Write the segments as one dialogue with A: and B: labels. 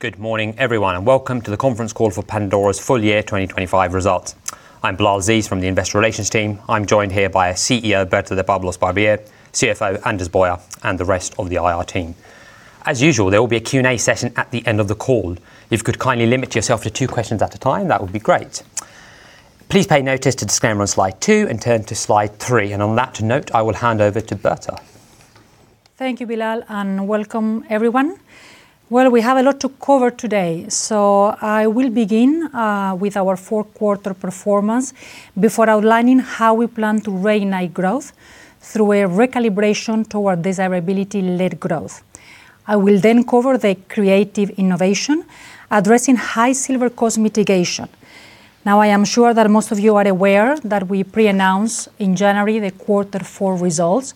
A: Good morning, everyone, and welcome to the conference call for Pandora's Full Year 2025 Results. I'm Bilal Aziz from the Investor Relations team. I'm joined here by CEO, Berta de Pablos-Barbier, CFO, Anders Boyer, and the rest of the IR team. As usual, there will be a Q&A session at the end of the call. If you could kindly limit yourself to two questions at a time, that would be great. Please take notice to the disclaimer on slide two, and turn to slide three, and on that note, I will hand over to Berta.
B: Thank you, Bilal, and welcome everyone. Well, we have a lot to cover today, so I will begin with our fourth quarter performance before outlining how we plan to reignite growth through a recalibration toward desirability-led growth. I will then cover the creative innovation, addressing high silver cost mitigation. Now, I am sure that most of you are aware that we pre-announce in January the quarter four results,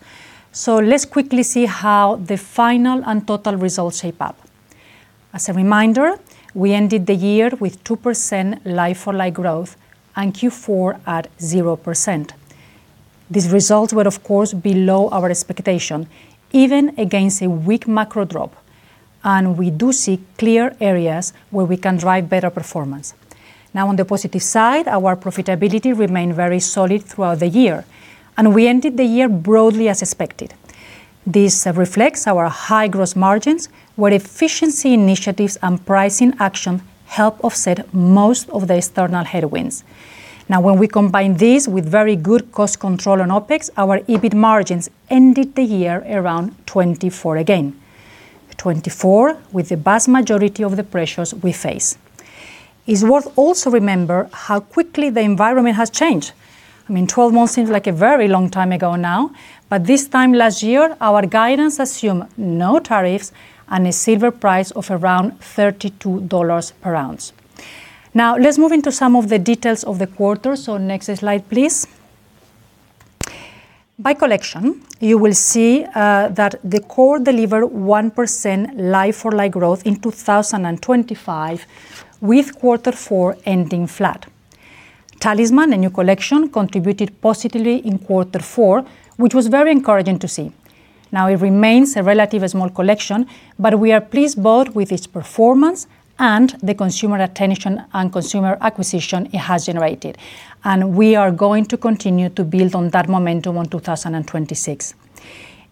B: so let's quickly see how the final and total results shape up. As a reminder, we ended the year with 2% like-for-like growth and Q4 at 0%. These results were, of course, below our expectation, even against a weak macro drop, and we do see clear areas where we can drive better performance. Now, on the positive side, our profitability remained very solid throughout the year, and we ended the year broadly as expected. This reflects our high gross margins, where efficiency initiatives and pricing action help offset most of the external headwinds. Now, when we combine this with very good cost control and OpEx, our EBIT margins ended the year around 24 again. 24, with the vast majority of the pressures we face. It's worth also remember how quickly the environment has changed. I mean, 12 months seems like a very long time ago now, but this time last year, our guidance assumed no tariffs and a silver price of around $32 per ounce. Now, let's move into some of the details of the quarter. So next slide, please. By collection, you will see, that the Core delivered 1% like-for-like growth in 2025, with quarter four ending flat. Talisman, a new collection, contributed positively in quarter four, which was very encouraging to see. Now, it remains a relatively small collection, but we are pleased both with its performance and the consumer attention and consumer acquisition it has generated. We are going to continue to build on that momentum in 2026.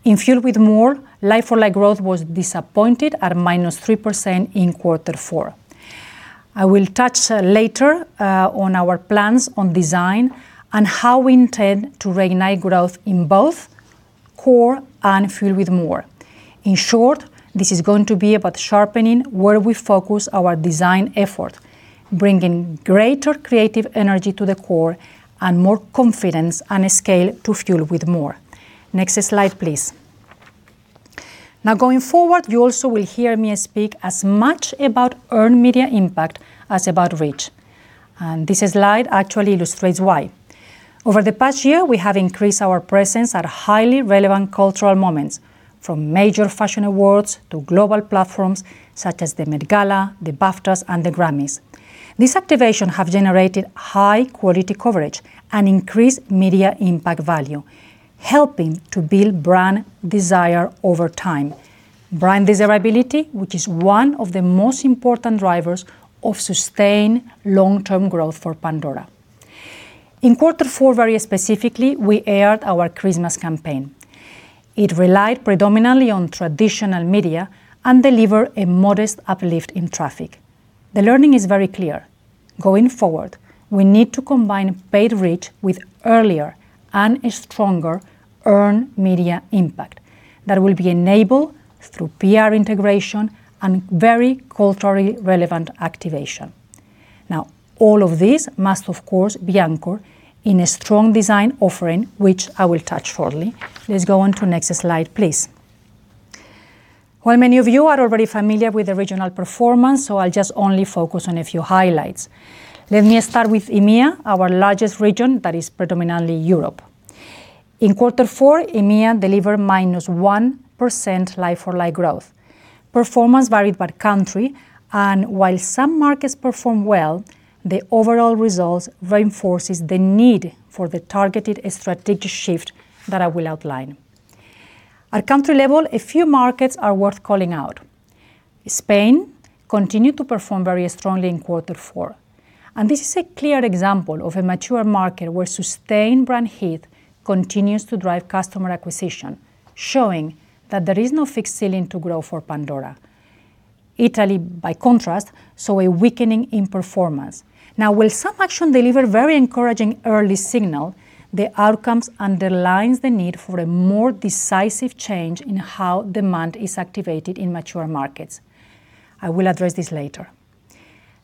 B: In Fuel with More, like-for-like growth was disappointing at -3% in quarter four. I will touch later on our plans on design and how we intend to reignite growth in both Core and Fuel with More. In short, this is going to be about sharpening where we focus our design effort, bringing greater creative energy to the Core and more confidence and scale to Fuel with More. Next slide, please. Now, going forward, you also will hear me speak as much about earned media impact as about reach, and this slide actually illustrates why. Over the past year, we have increased our presence at highly relevant cultural moments, from major fashion awards to global platforms such as the Met Gala, the BAFTAs, and the Grammys. These activations have generated high-quality coverage and increased media impact value, helping to build brand desire over time. Brand desirability, which is one of the most important drivers of sustained long-term growth for Pandora. In quarter four, very specifically, we aired our Christmas campaign. It relied predominantly on traditional media and delivered a modest uplift in traffic. The learning is very clear. Going forward, we need to combine paid reach with earlier and a stronger earned media impact that will be enabled through PR integration and very culturally relevant activation. Now, all of this must, of course, be anchored in a strong design offering, which I will touch shortly. Let's go on to the next slide, please. Well, many of you are already familiar with the regional performance, so I'll just only focus on a few highlights. Let me start with EMEA, our largest region that is predominantly Europe. In quarter four, EMEA delivered -1% like-for-like growth. Performance varied by country, and while some markets performed well, the overall results reinforces the need for the targeted strategic shift that I will outline. At country level, a few markets are worth calling out. Spain continued to perform very strongly in quarter four, and this is a clear example of a mature market where sustained brand heat continues to drive customer acquisition, showing that there is no fixed ceiling to grow for Pandora. Italy, by contrast, saw a weakening in performance. Now, while some action delivered very encouraging early signal, the outcomes underlines the need for a more decisive change in how demand is activated in mature markets. I will address this later.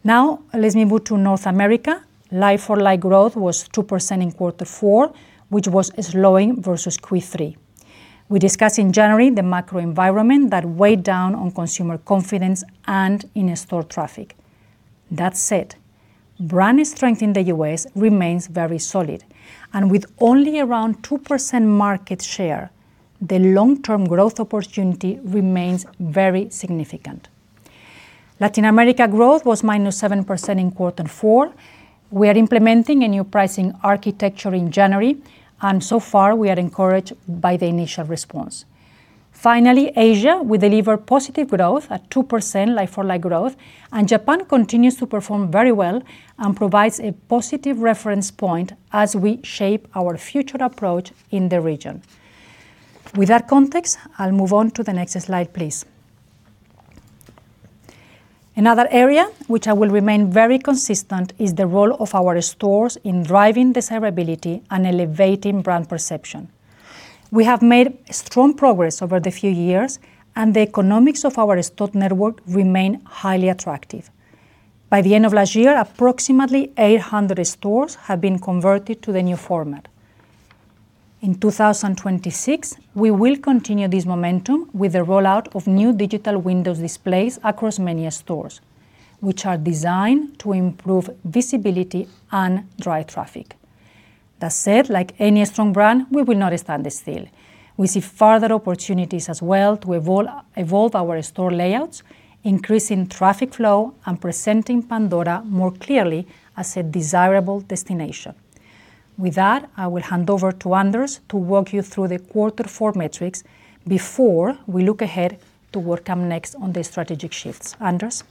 B: Now, let me move to North America. Like-for-like growth was 2% in quarter four, which was slowing versus Q3. We discussed in January the macro environment that weighed down on consumer confidence and in-store traffic. That said, brand strength in the US remains very solid, and with only around 2% market share, the long-term growth opportunity remains very significant. Latin America growth was -7% in quarter four. We are implementing a new pricing architecture in January, and so far we are encouraged by the initial response. Finally, Asia, we deliver positive growth at 2% like-for-like growth, and Japan continues to perform very well and provides a positive reference point as we shape our future approach in the region. With that context, I'll move on to the next slide, please. Another area which I will remain very consistent is the role of our stores in driving desirability and elevating brand perception. We have made strong progress over the few years, and the economics of our store network remain highly attractive. By the end of last year, approximately 800 stores have been converted to the new format. In 2026, we will continue this momentum with the rollout of new digital windows displays across many stores, which are designed to improve visibility and drive traffic. That said, like any strong brand, we will not stand still. We see further opportunities as well to evolve our store layouts, increasing traffic flow, and presenting Pandora more clearly as a desirable destination. With that, I will hand over to Anders to walk you through the quarter four metrics before we look ahead to what come next on the strategic shifts. Anders?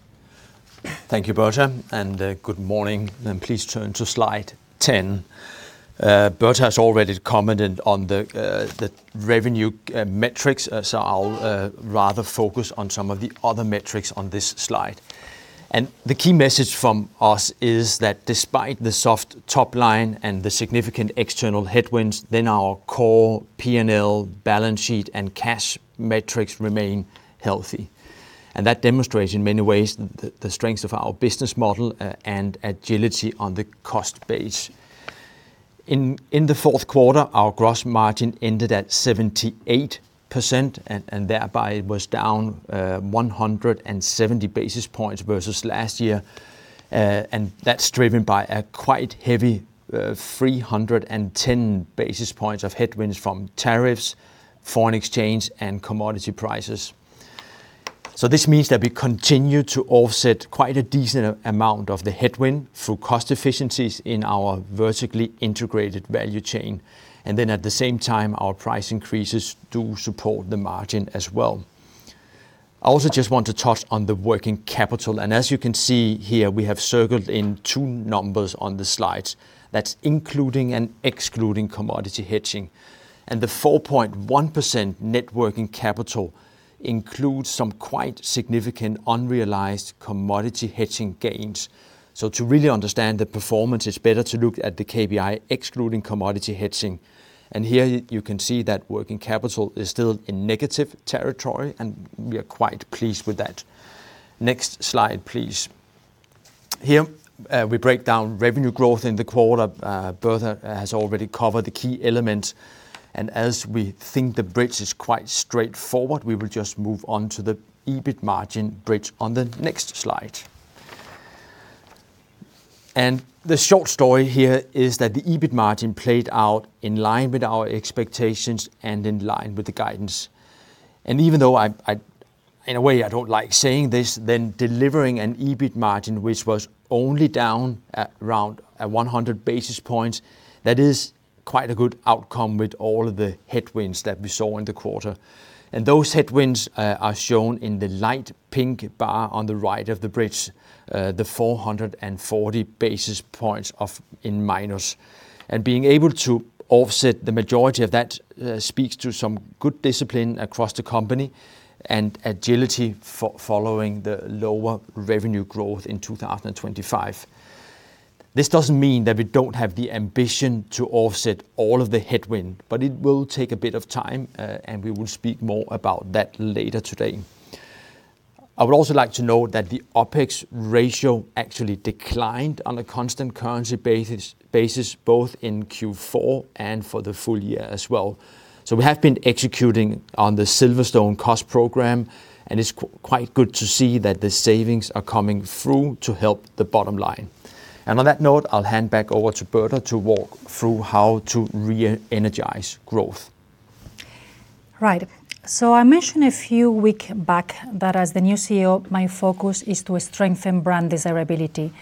C: Thank you, Berta, and good morning, and please turn to slide 10. Berta has already commented on the revenue metrics, so I'll rather focus on some of the other metrics on this slide. The key message from us is that despite the soft top line and the significant external headwinds, our Core PNL, balance sheet, and cash metrics remain healthy, and that demonstrates in many ways the strength of our business model and agility on the cost base. In the fourth quarter, our gross margin ended at 78% and thereby was down 170 basis points versus last year. And that's driven by a quite heavy 310 basis points of headwinds from tariffs, foreign exchange, and commodity prices. So this means that we continue to offset quite a decent amount of the headwind through cost efficiencies in our vertically integrated value chain, and then at the same time, our price increases do support the margin as well. I also just want to touch on the working capital, and as you can see here, we have circled in two numbers on the slides. That's including and excluding commodity hedging. And the 4.1% net working capital includes some quite significant unrealized commodity hedging gains. So to really understand the performance, it's better to look at the KPI excluding commodity hedging, and here you can see that working capital is still in negative territory, and we are quite pleased with that. Next slide, please. Here, we break down revenue growth in the quarter. Berta has already covered the key elements, and as we think the bridge is quite straightforward, we will just move on to the EBIT margin bridge on the next slide. The short story here is that the EBIT margin played out in line with our expectations and in line with the guidance. Even though I, in a way, I don't like saying this, then delivering an EBIT margin, which was only down at around at 100 basis points, that is quite a good outcome with all of the headwinds that we saw in the quarter. Those headwinds are shown in the light pink bar on the right of the bridge, the 440 basis points of in minus. Being able to offset the majority of that speaks to some good discipline across the company and agility following the lower revenue growth in 2025. This doesn't mean that we don't have the ambition to offset all of the headwind, but it will take a bit of time, and we will speak more about that later today. I would also like to note that the OpEx ratio actually declined on a constant currency basis both in Q4 and for the full year as well. We have been executing on the Silverstone cost program, and it's quite good to see that the savings are coming through to help the bottom line. And on that note, I'll hand back over to Berta to walk through how to re-energize growth.
B: Right. I mentioned a few weeks back that as the new CEO, my focus is to strengthen brand desirability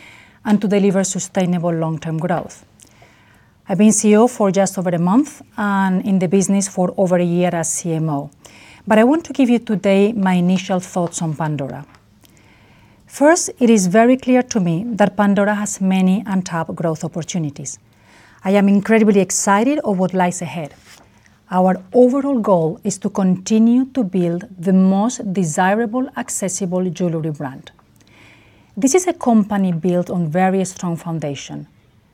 B: and to deliver sustainable long-term growth. I've been CEO for just over a month and in the business for over a year as CMO. But I want to give you today my initial thoughts on Pandora. First, it is very clear to me that Pandora has many untapped growth opportunities. I am incredibly excited of what lies ahead. Our overall goal is to continue to build the most desirable, accessible jewelry brand. This is a company built on very strong foundation.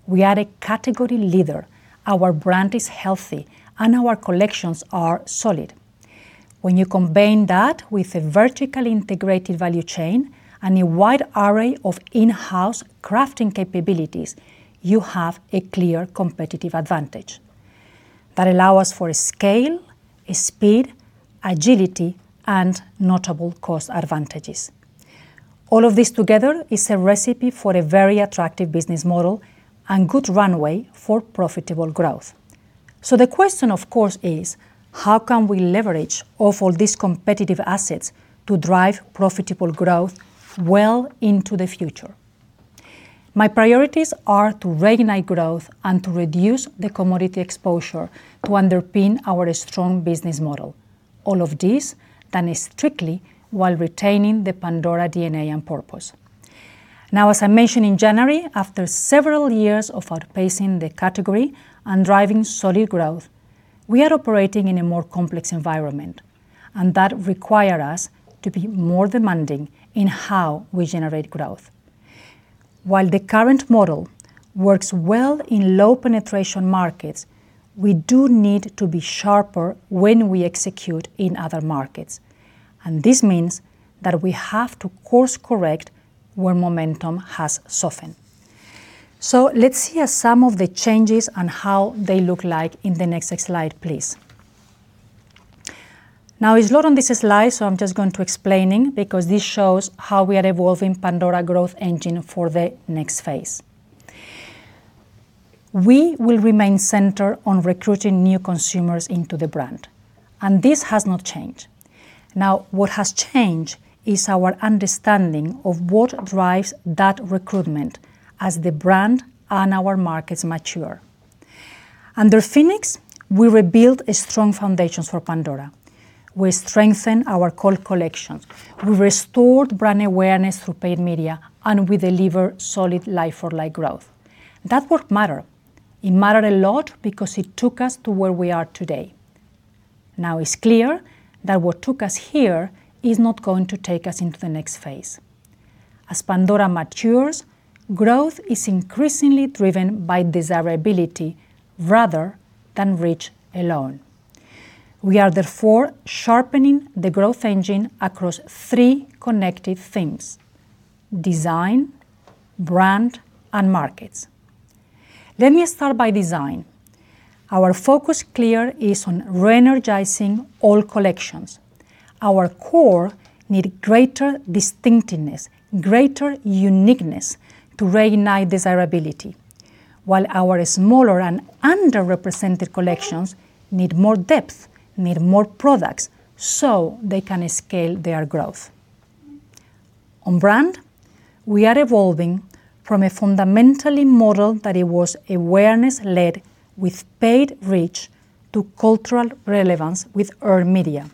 B: We are a category leader, our brand is healthy, and our collections are solid. When you combine that with a vertically integrated value chain and a wide array of in-house crafting capabilities, you have a clear competitive advantage that allow us for scale, speed, agility, and notable cost advantages. All of this together is a recipe for a very attractive business model and good runway for profitable growth. So the question, of course, is: How can we leverage all of these competitive assets to drive profitable growth well into the future? My priorities are to reignite growth and to reduce the commodity exposure to underpin our strong business model. All of this done strictly while retaining the Pandora DNA and purpose. Now, as I mentioned in January, after several years of outpacing the category and driving solid growth, we are operating in a more complex environment, and that require us to be more demanding in how we generate growth. While the current model works well in low-penetration markets, we do need to be sharper when we execute in other markets, and this means that we have to course correct where momentum has softened. So let's see some of the changes and how they look like in the next slide, please. Now, it's a lot on this slide, so I'm just going to explain, because this shows how we are evolving Pandora growth engine for the next phase. We will remain centered on recruiting new consumers into the brand, and this has not changed. Now, what has changed is our understanding of what drives that recruitment as the brand and our markets mature. Under Phoenix, we rebuilt a strong foundation for Pandora. We strengthened our Core collections, we restored brand awareness through paid media, and we delivered solid like-for-like growth. That's what matters. It mattered a lot because it took us to where we are today. Now, it's clear that what took us here is not going to take us into the next phase. As Pandora matures, growth is increasingly driven by desirability rather than reach alone. We are therefore sharpening the growth engine across three connected things: design, brand, and markets. Let me start by design. Our focus clear is on re-energizing all collections. Our Core need greater distinctiveness, greater uniqueness to reignite desirability, while our smaller and underrepresented collections need more depth, need more products, so they can scale their growth. On brand, we are evolving from a fundamentally model that it was awareness-led with paid reach to cultural relevance with earned media.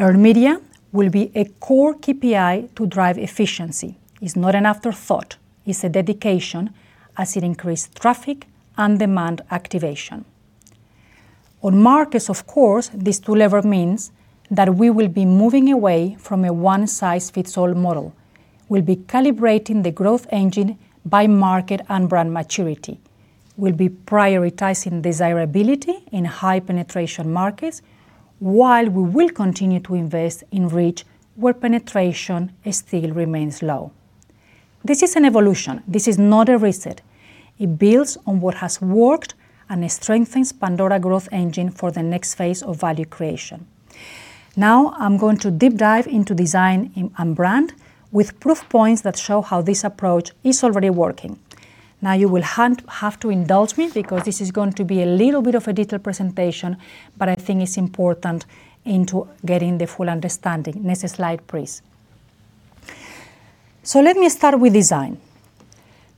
B: Earned media will be a Core KPI to drive efficiency. It's not an afterthought, it's a dedication, as it increased traffic and demand activation. On markets, of course, this two lever means that we will be moving away from a one-size-fits-all model. We'll be calibrating the growth engine by market and brand maturity. We'll be prioritizing desirability in high-penetration markets, while we will continue to invest in reach where penetration still remains low. This is an evolution. This is not a reset. It builds on what has worked and it strengthens Pandora growth engine for the next phase of value creation. Now, I'm going to deep dive into design and brand with proof points that show how this approach is already working. Now, you will have to indulge me, because this is going to be a little bit of a detailed presentation, but I think it's important into getting the full understanding. Next slide, please. So let me start with design.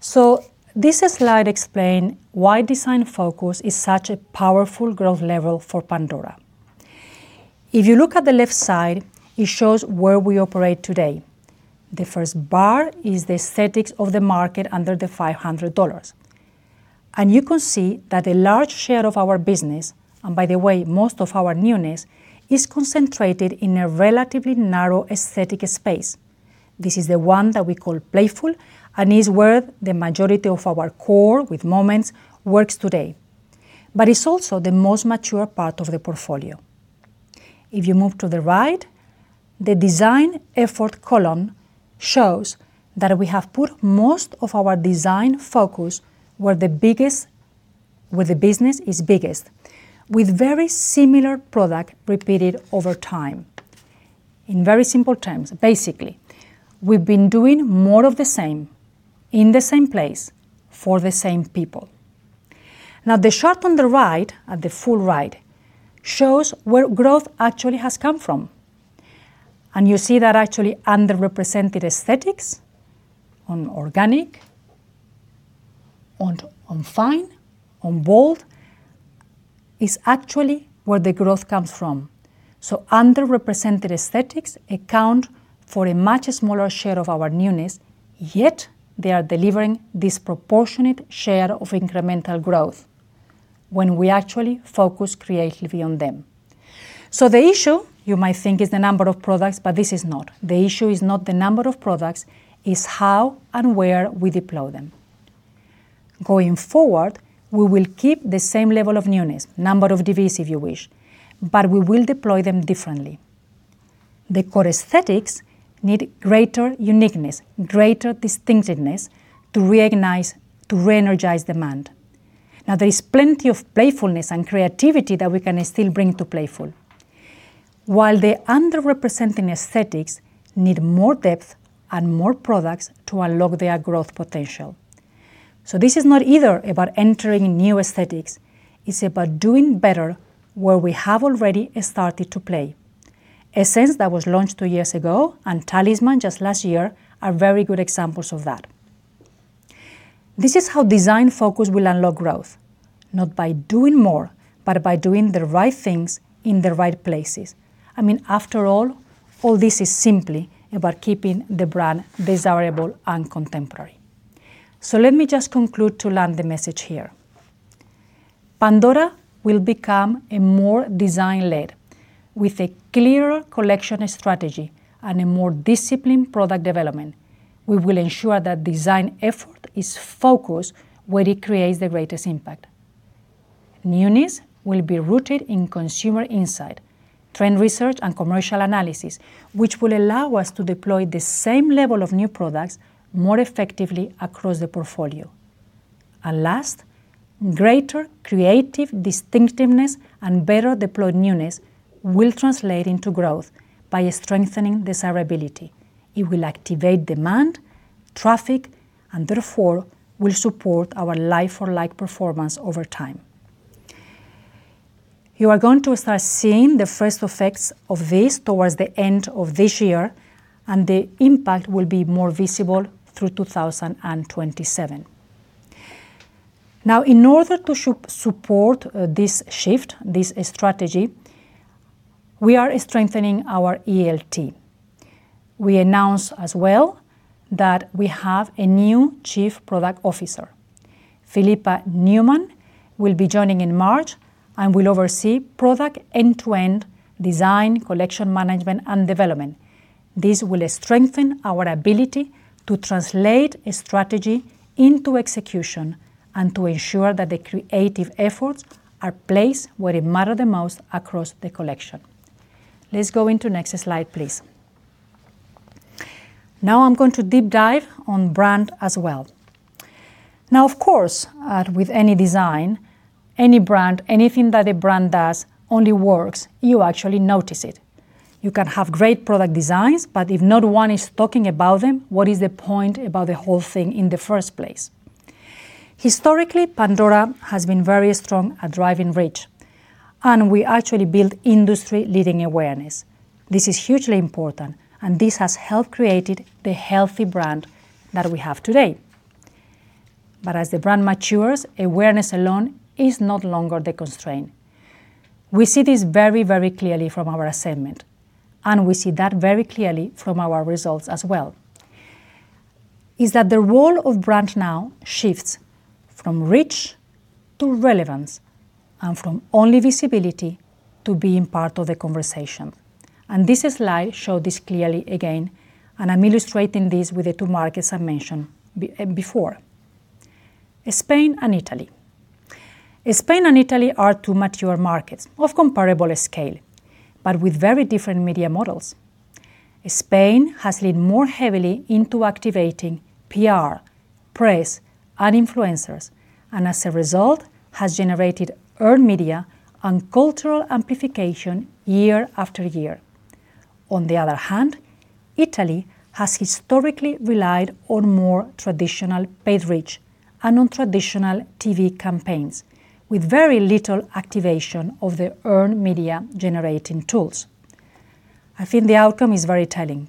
B: So this slide explain why design focus is such a powerful growth lever for Pandora. If you look at the left side, it shows where we operate today. The first bar is the aesthetics of the market under the $500, and you can see that a large share of our business, and by the way, most of our newness, is concentrated in a relatively narrow aesthetic space. This is the one that we call playful and is where the majority of our Core, with Moments, works today. But it's also the most mature part of the portfolio. If you move to the right, the design effort column shows that we have put most of our design focus where the business is biggest, with very similar product repeated over time. In very simple terms, basically, we've been doing more of the same, in the same place, for the same people. Now, the chart on the right, at the full right, shows where growth actually has come from, and you see that actually underrepresented aesthetics on organic, on fine, on bold, is actually where the growth comes from. So underrepresented aesthetics account for a much smaller share of our newness, yet they are delivering disproportionate share of incremental growth when we actually focus creatively on them. So the issue, you might think, is the number of products, but this is not. The issue is not the number of products, it's how and where we deploy them. Going forward, we will keep the same level of newness, number of devices, if you wish, but we will deploy them differently. The Core aesthetics need greater uniqueness, greater distinctiveness to reignite, to re-energize demand. Now, there is plenty of playfulness and creativity that we can still bring to playful.... While the underrepresented aesthetics need more depth and more products to unlock their growth potential. So this is not either about entering new aesthetics; it's about doing better where we have already started to play. Essence, that was launched two years ago, and Talisman, just last year, are very good examples of that. This is how design focus will unlock growth, not by doing more, but by doing the right things in the right places. I mean, after all, all this is simply about keeping the brand desirable and contemporary. So let me just conclude to land the message here. Pandora will become a more design-led, with a clearer collection strategy and a more disciplined product development. We will ensure that design effort is focused where it creates the greatest impact. Newness will be rooted in consumer insight, trend research, and commercial analysis, which will allow us to deploy the same level of new products more effectively across the portfolio. Last, greater creative distinctiveness and better deployed newness will translate into growth by strengthening desirability. It will activate demand, traffic, and therefore will support our like-for-like performance over time. You are going to start seeing the first effects of this towards the end of this year, and the impact will be more visible through 2027. Now, in order to support this shift, this strategy, we are strengthening our ELT. We announce as well that we have a new Chief Product Officer. Philippa Newman will be joining in March and will oversee product end-to-end design, collection management, and development. This will strengthen our ability to translate strategy into execution and to ensure that the creative efforts are placed where it matters the most across the collection. Let's go into next slide, please. Now, I'm going to deep dive on brand as well. Now, of course, with any design, any brand, anything that a brand does only works, you actually notice it. You can have great product designs, but if no one is talking about them, what is the point about the whole thing in the first place? Historically, Pandora has been very strong at driving reach, and we actually built industry-leading awareness. This is hugely important, and this has helped create the healthy brand that we have today. But as the brand matures, awareness alone is no longer the constraint. We see this very, very clearly from our assessment, and we see that very clearly from our results as well, is that the role of brand now shifts from reach to relevance and from only visibility to being part of the conversation. And this slide shows this clearly again, and I'm illustrating this with the two markets I mentioned before, Spain and Italy. Spain and Italy are two mature markets of comparable scale, but with very different media models. Spain has leaned more heavily into activating PR, press, and influencers, and as a result, has generated earned media and cultural amplification year after year. On the other hand, Italy has historically relied on more traditional paid reach and on traditional TV campaigns, with very little activation of the earned media-generating tools. I think the outcome is very telling.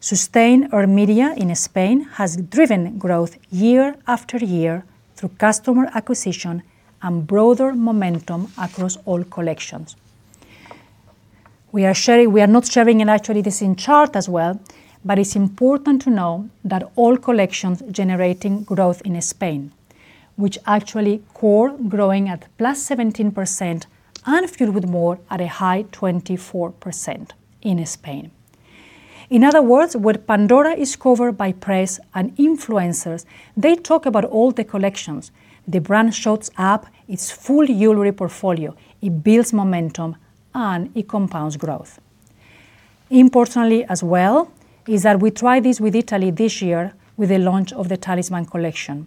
B: Sustained earned media in Spain has driven growth year after year through customer acquisition and broader momentum across all collections. We are sharing... We are not sharing it, actually, this in chart as well, but it's important to know that all collections generating growth in Spain, which actually Core growing at +17% and Fuel with More at a high 24% in Spain. In other words, where Pandora is covered by press and influencers, they talk about all the collections. The brand shows up its full jewelry portfolio. It builds momentum, and it compounds growth. Importantly, as well, is that we tried this with Italy this year with the launch of the Talisman collection,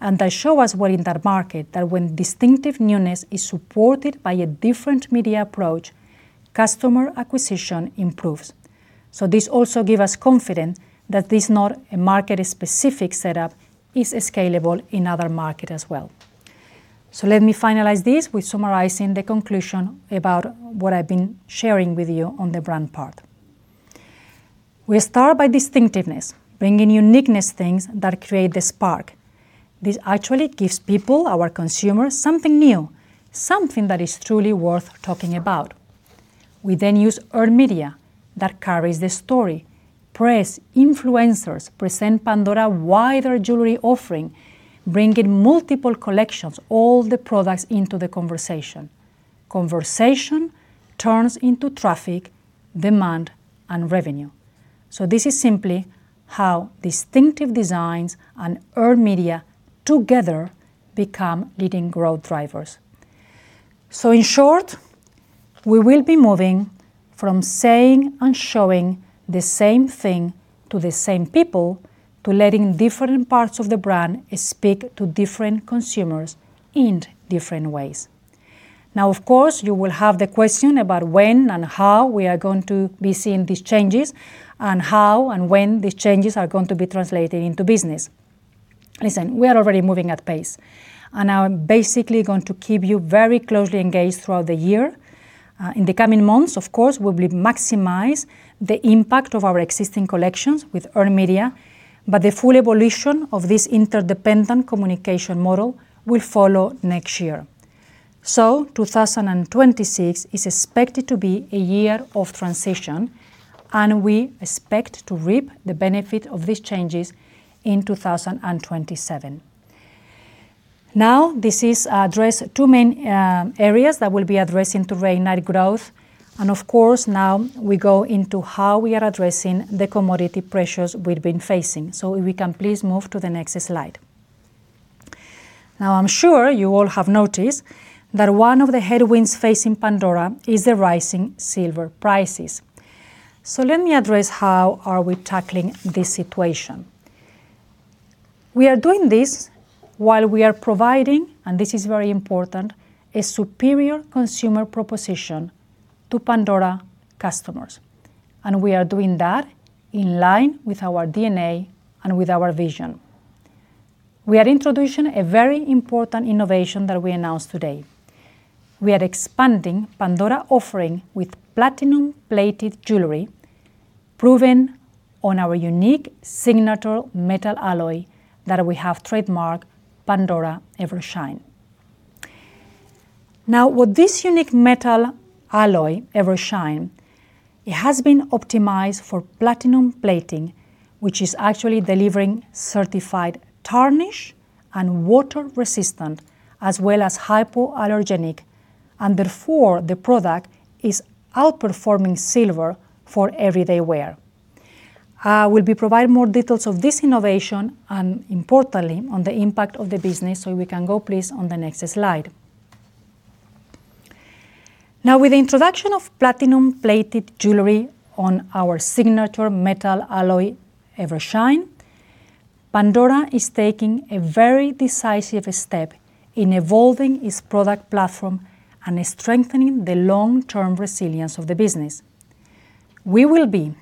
B: and they show us well in that market that when distinctive newness is supported by a different media approach, customer acquisition improves. So this also gives us confidence that this is not a market-specific setup, is scalable in other markets as well. So let me finalize this with summarizing the conclusion about what I've been sharing with you on the brand part. We start by distinctiveness, bringing uniqueness, things that create the spark. This actually gives people, our consumers, something new, something that is truly worth talking about. We then use earned media that carries the story. Press, influencers present Pandora's wider jewelry offering, bringing multiple collections, all the products into the conversation. Conversation turns into traffic, demand, and revenue. So this is simply how distinctive designs and earned media together become leading growth drivers. So in short, we will be moving from saying and showing the same thing to the same people... to letting different parts of the brand speak to different consumers in different ways. Now, of course, you will have the question about when and how we are going to be seeing these changes, and how and when these changes are going to be translated into business. Listen, we are already moving at pace, and I'm basically going to keep you very closely engaged throughout the year. In the coming months, of course, we will maximize the impact of our existing collections with earned media, but the full evolution of this interdependent communication model will follow next year. So 2026 is expected to be a year of transition, and we expect to reap the benefit of these changes in 2027. Now, this addresses two main areas that we'll be addressing to organic growth, and of course, now we go into how we are addressing the commodity pressures we've been facing. So if we can please move to the next slide. Now, I'm sure you all have noticed that one of the headwinds facing Pandora is the rising silver prices. So let me address how are we tackling this situation. We are doing this while we are providing, and this is very important, a superior consumer proposition to Pandora customers, and we are doing that in line with our DNA and with our vision. We are introducing a very important innovation that we announced today. We are expanding Pandora offering with platinum-plated jewelry, proven on our unique signature metal alloy that we have trademarked Pandora Evershine. Now, with this unique metal alloy, Evershine, it has been optimized for platinum plating, which is actually delivering certified tarnish and water-resistant, as well as hypoallergenic, and therefore, the product is outperforming silver for everyday wear. I will be providing more details of this innovation and importantly, on the impact of the business, so we can go please, on the next slide. Now, with the introduction of platinum-plated jewelry on our signature metal alloy, Evershine, Pandora is taking a very decisive step in evolving its product platform and strengthening the long-term resilience of the business. We will be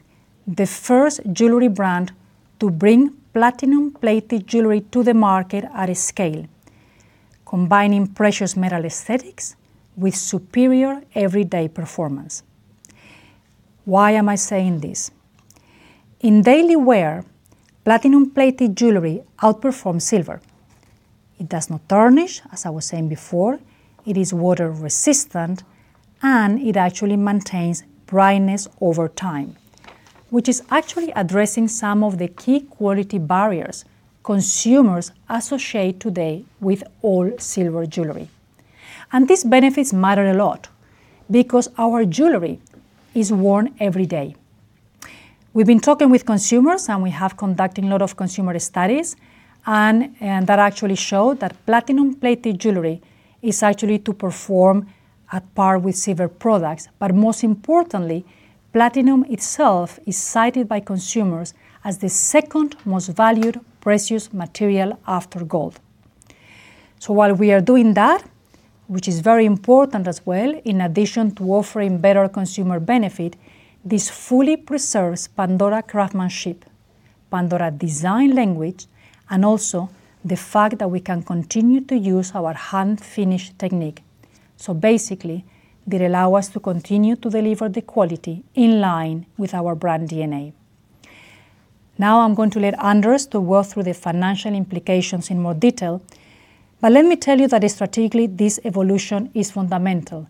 B: the first jewelry brand to bring platinum-plated jewelry to the market at a scale, combining precious metal aesthetics with superior everyday performance. Why am I saying this? In daily wear, platinum-plated jewelry outperforms silver. It does not tarnish, as I was saying before, it is water-resistant, and it actually maintains brightness over time, which is actually addressing some of the key quality barriers consumers associate today with all silver jewelry. And these benefits matter a lot because our jewelry is worn every day. We've been talking with consumers, and we have conducted a lot of consumer studies and that actually show that platinum-plated jewelry is actually to perform at par with silver products. But most importantly, platinum itself is cited by consumers as the second most valued precious material after gold. So while we are doing that, which is very important as well, in addition to offering better consumer benefit, this fully preserves Pandora craftsmanship, Pandora design language, and also the fact that we can continue to use our hand-finish technique. So basically, it allow us to continue to deliver the quality in line with our brand DNA. Now, I'm going to let Anders to walk through the financial implications in more detail. But let me tell you that strategically, this evolution is fundamental.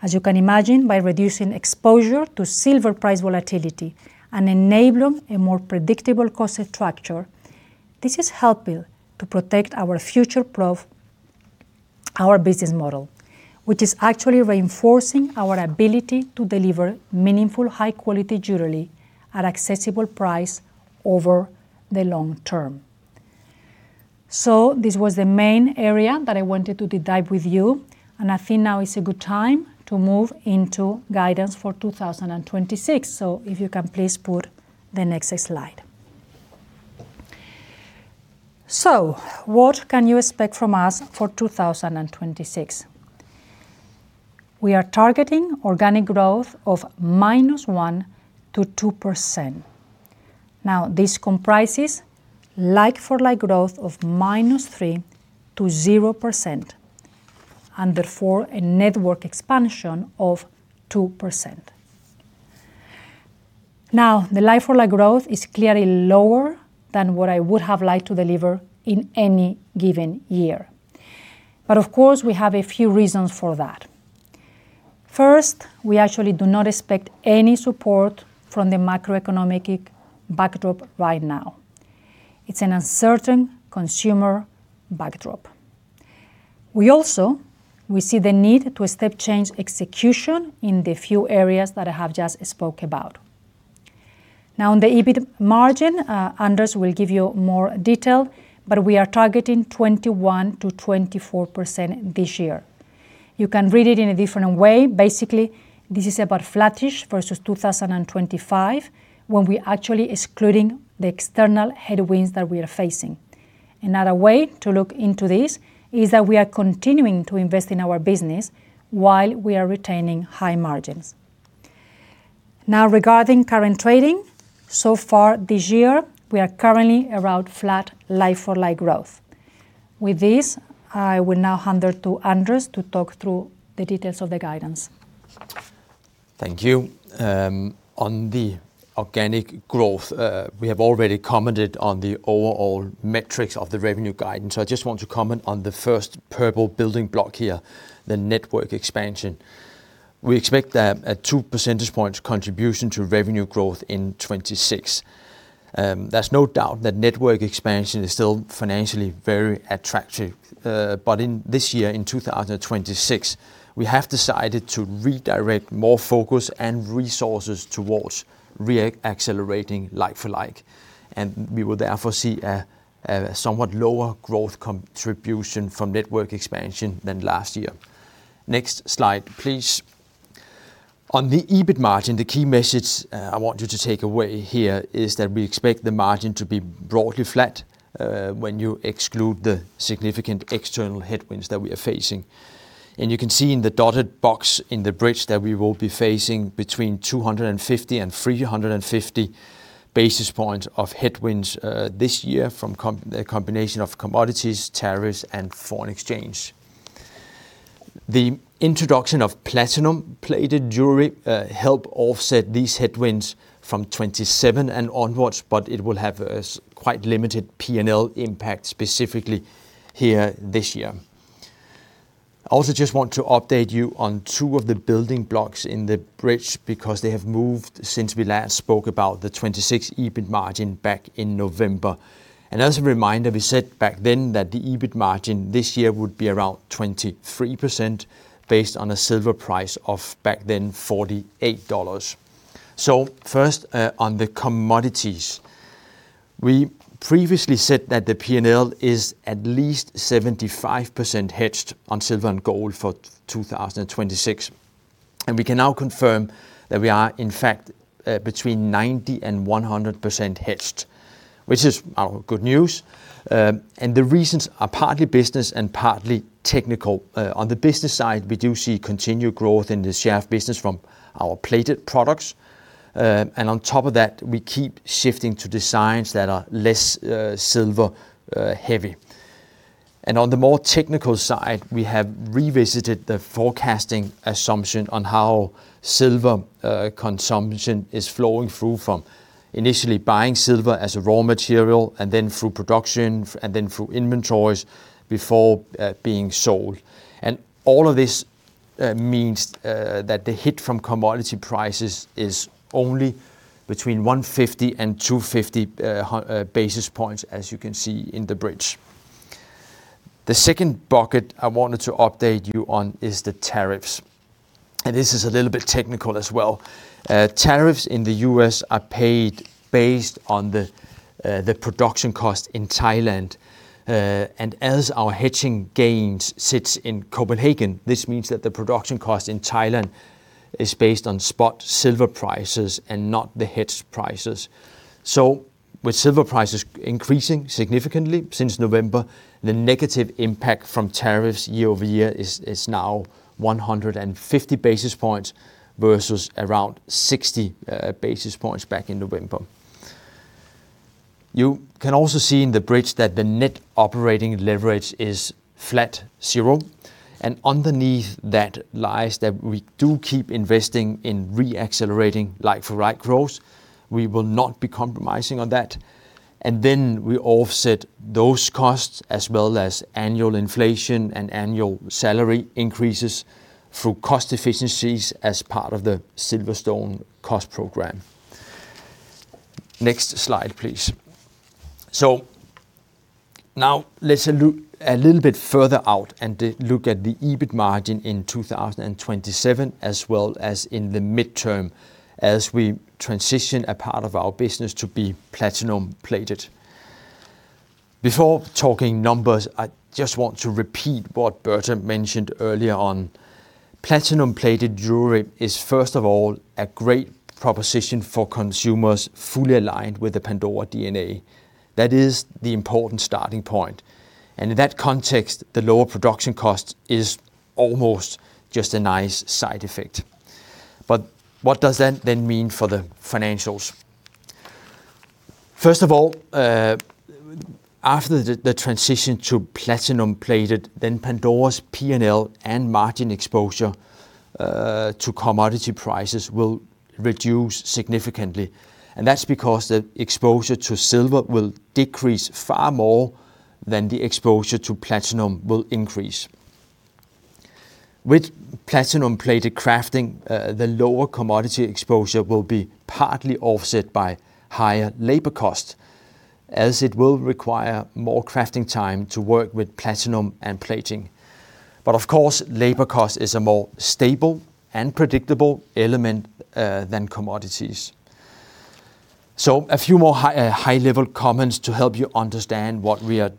B: As you can imagine, by reducing exposure to silver price volatility and enabling a more predictable cost structure, this is helping to protect our future our business model, which is actually reinforcing our ability to deliver meaningful high-quality jewelry at accessible price over the long term. So this was the main area that I wanted to deep dive with you, and I think now is a good time to move into guidance for 2026. So if you can please put the next slide. So what can you expect from us for 2026? We are targeting organic growth of -1%-2%. Now, this comprises like-for-like growth of -3%-0%, and therefore a network expansion of 2%. Now, the like-for-like growth is clearly lower than what I would have liked to deliver in any given year. But of course, we have a few reasons for that. First, we actually do not expect any support from the macroeconomic backdrop right now. It's an uncertain consumer backdrop. We also, we see the need to a step change execution in the few areas that I have just spoke about. Now, on the EBIT margin, Anders will give you more detail, but we are targeting 21%-24% this year. You can read it in a different way. Basically, this is about flattish versus 2025, when we're actually excluding the external headwinds that we are facing. Another way to look into this is that we are continuing to invest in our business while we are retaining high margins. Now, regarding current trading, so far this year, we are currently around flat like-for-like growth. With this, I will now hand it to Anders to talk through the details of the guidance.
C: Thank you. On the organic growth, we have already commented on the overall metrics of the revenue guidance, so I just want to comment on the first purple building block here, the network expansion. We expect that a 2 percentage points contribution to revenue growth in 2026. There's no doubt that network expansion is still financially very attractive, but in this year, in 2026, we have decided to redirect more focus and resources towards reaccelerating like-for-like, and we will therefore see a somewhat lower growth contribution from network expansion than last year. Next slide, please. On the EBIT margin, the key message I want you to take away here is that we expect the margin to be broadly flat, when you exclude the significant external headwinds that we are facing. You can see in the dotted box in the bridge that we will be facing between 250 basis points and 350 basis points of headwinds this year from a combination of commodities, tariffs, and foreign exchange. The introduction of platinum-plated jewelry help offset these headwinds from 2027 and onwards, but it will have a quite limited P&L impact specifically here this year. I also just want to update you on two of the building blocks in the bridge, because they have moved since we last spoke about the 2026 EBIT margin back in November. As a reminder, we said back then that the EBIT margin this year would be around 23%, based on a silver price of, back then, $48. So first, on the commodities. We previously said that the P&L is at least 75% hedged on silver and gold for 2026, and we can now confirm that we are, in fact, between 90% and 100% hedged, which is good news. And the reasons are partly business and partly technical. On the business side, we do see continued growth in the shaft business from our plated products. And on top of that, we keep shifting to designs that are less silver heavy. And on the more technical side, we have revisited the forecasting assumption on how silver consumption is flowing through from initially buying silver as a raw material, and then through production, and then through inventories before being sold. And all of this means that the hit from commodity prices is only between 150 basis points and 250 basis points, as you can see in the bridge. The second bucket I wanted to update you on is the tariffs, and this is a little bit technical as well. Tariffs in the U.S. are paid based on the production cost in Thailand. And as our hedging gains sits in Copenhagen, this means that the production cost in Thailand is based on spot silver prices and not the hedge prices. So with silver prices increasing significantly since November, the negative impact from tariffs year-over-year is now 150 basis points versus around 60 basis points back in November. You can also see in the bridge that the net operating leverage is flat zero, and underneath that lies that we do keep investing in reaccelerating like-for-like growth. We will not be compromising on that. And then we offset those costs, as well as annual inflation and annual salary increases, through cost efficiencies as part of the Silverstone Cost Program. Next slide, please. So now let's look a little bit further out and look at the EBIT margin in 2027, as well as in the midterm, as we transition a part of our business to be platinum-plated. Before talking numbers, I just want to repeat what Berta mentioned earlier on. platinum-plated jewelry is, first of all, a great proposition for consumers fully aligned with the Pandora DNA. That is the important starting point, and in that context, the lower production cost is almost just a nice side effect. But what does that then mean for the financials? First of all, after the transition to platinum-plated, then Pandora's P&L and margin exposure to commodity prices will reduce significantly, and that's because the exposure to silver will decrease far more than the exposure to platinum will increase. With platinum-plated crafting, the lower commodity exposure will be partly offset by higher labor costs, as it will require more crafting time to work with platinum and plating. But of course, labor cost is a more stable and predictable element than commodities.... So a few more high, high-level comments to help you understand what we are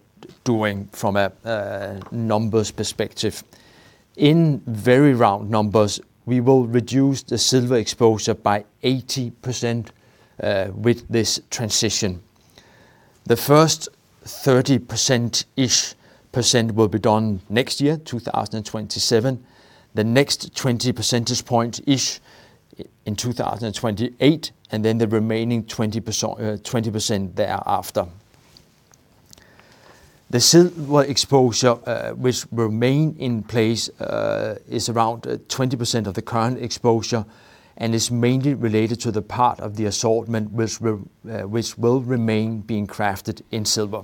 C: doing from a numbers perspective. In very round numbers, we will reduce the silver exposure by 80%, with this transition. The first 30%-ish percent will be done next year, 2027. The next 20 percentage points-ish in 2028, and then the remaining 20%, 20% thereafter. The silver exposure, which will remain in place, is around 20% of the current exposure and is mainly related to the part of the assortment which will remain being crafted in silver.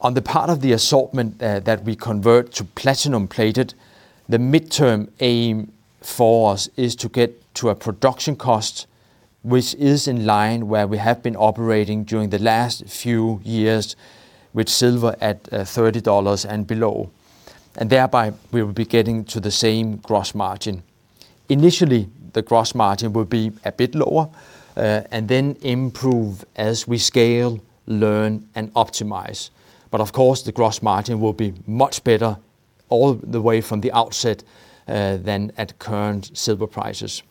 C: On the part of the assortment that we convert to platinum-plated, the midterm aim for us is to get to a production cost, which is in line where we have been operating during the last few years with silver at $30 and below, and thereby we will be getting to the same gross margin. Initially, the gross margin will be a bit lower, and then improve as we scale, learn, and optimize. But of course, the gross margin will be much better all the way from the outset, than at current silver prices.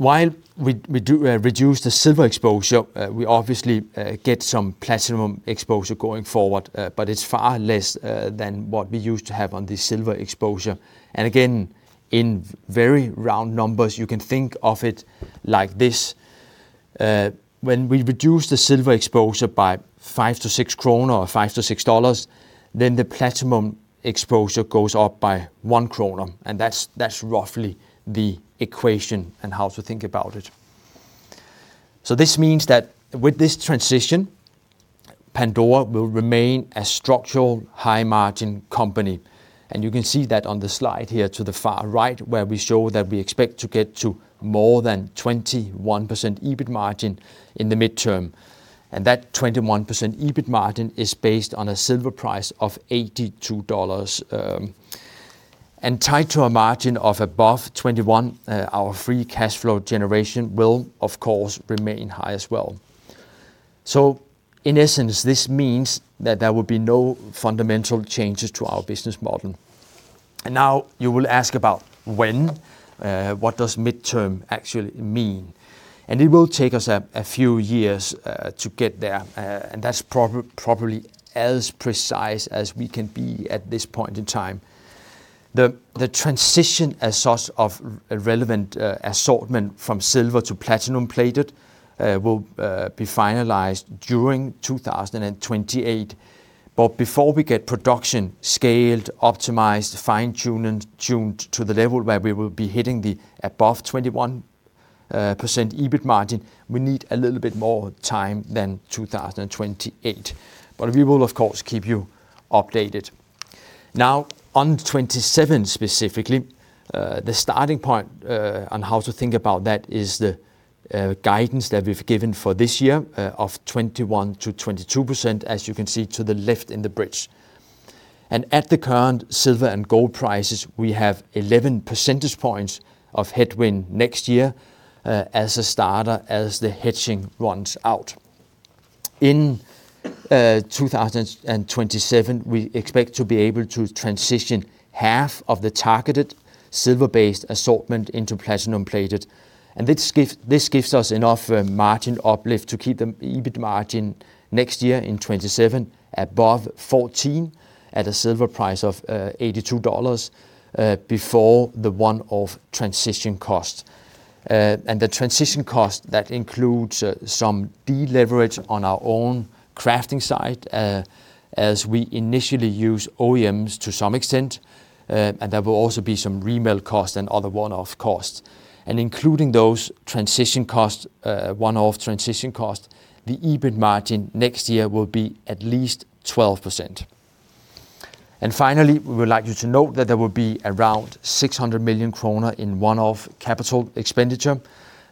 C: While we do reduce the silver exposure, we obviously get some platinum exposure going forward, but it's far less than what we used to have on the silver exposure. And again, in very round numbers, you can think of it like this: when we reduce the silver exposure by 5-6 kroner or $5-$6, then the platinum exposure goes up by 1 kroner, and that's roughly the equation and how to think about it. So this means that with this transition, Pandora will remain a structural high-margin company, and you can see that on the slide here to the far right, where we show that we expect to get to more than 21% EBIT margin in the midterm. And that 21% EBIT margin is based on a silver price of $82. And tied to a margin of above 21%, our free cash flow generation will, of course, remain high as well. So in essence, this means that there will be no fundamental changes to our business model. And now you will ask about when, what does midterm actually mean? And it will take us a few years to get there, and that's probably as precise as we can be at this point in time. The transition as such of relevant assortment from silver to platinum-plated will be finalized during 2028. But before we get production scaled, optimized, fine-tuned, and tuned to the level where we will be hitting the above 21% EBIT margin, we need a little bit more time than 2028, but we will of course keep you updated. Now, on 2027, specifically, the starting point on how to think about that is the guidance that we've given for this year of 21%-22%, as you can see to the left in the bridge. And at the current silver and gold prices, we have 11 percentage points of headwind next year, as a starter, as the hedging runs out. In 2027, we expect to be able to transition half of the targeted silver-based assortment into platinum-plated, and this gives us enough margin uplift to keep the EBIT margin next year in 2027, above 14, at a silver price of $82, before the one-off transition cost. And the transition cost, that includes some deleverage on our own crafting side, as we initially use OEMs to some extent, and there will also be some remelt cost and other one-off costs. And including those transition costs, one-off transition costs, the EBIT margin next year will be at least 12%. And finally, we would like you to note that there will be around 600 million kroner in one-off capital expenditure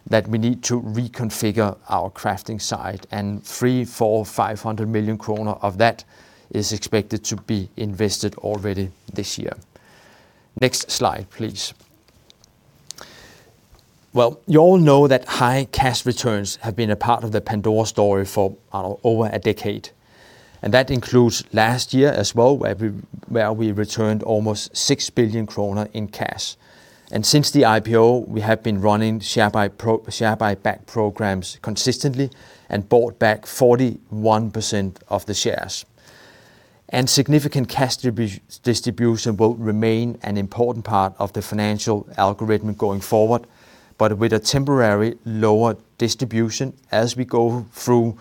C: that we need to reconfigure our crafting side, and 300 million-350 million kroner of that is expected to be invested already this year. Next slide, please. Well, you all know that high cash returns have been a part of the Pandora story for over a decade, and that includes last year as well, where we returned almost 6 billion kroner in cash. And since the IPO, we have been running share buy pro-- share buyback programs consistently and bought back 41% of the shares. Significant cash distribution will remain an important part of the financial algorithm going forward, but with a temporary lower distribution as we go through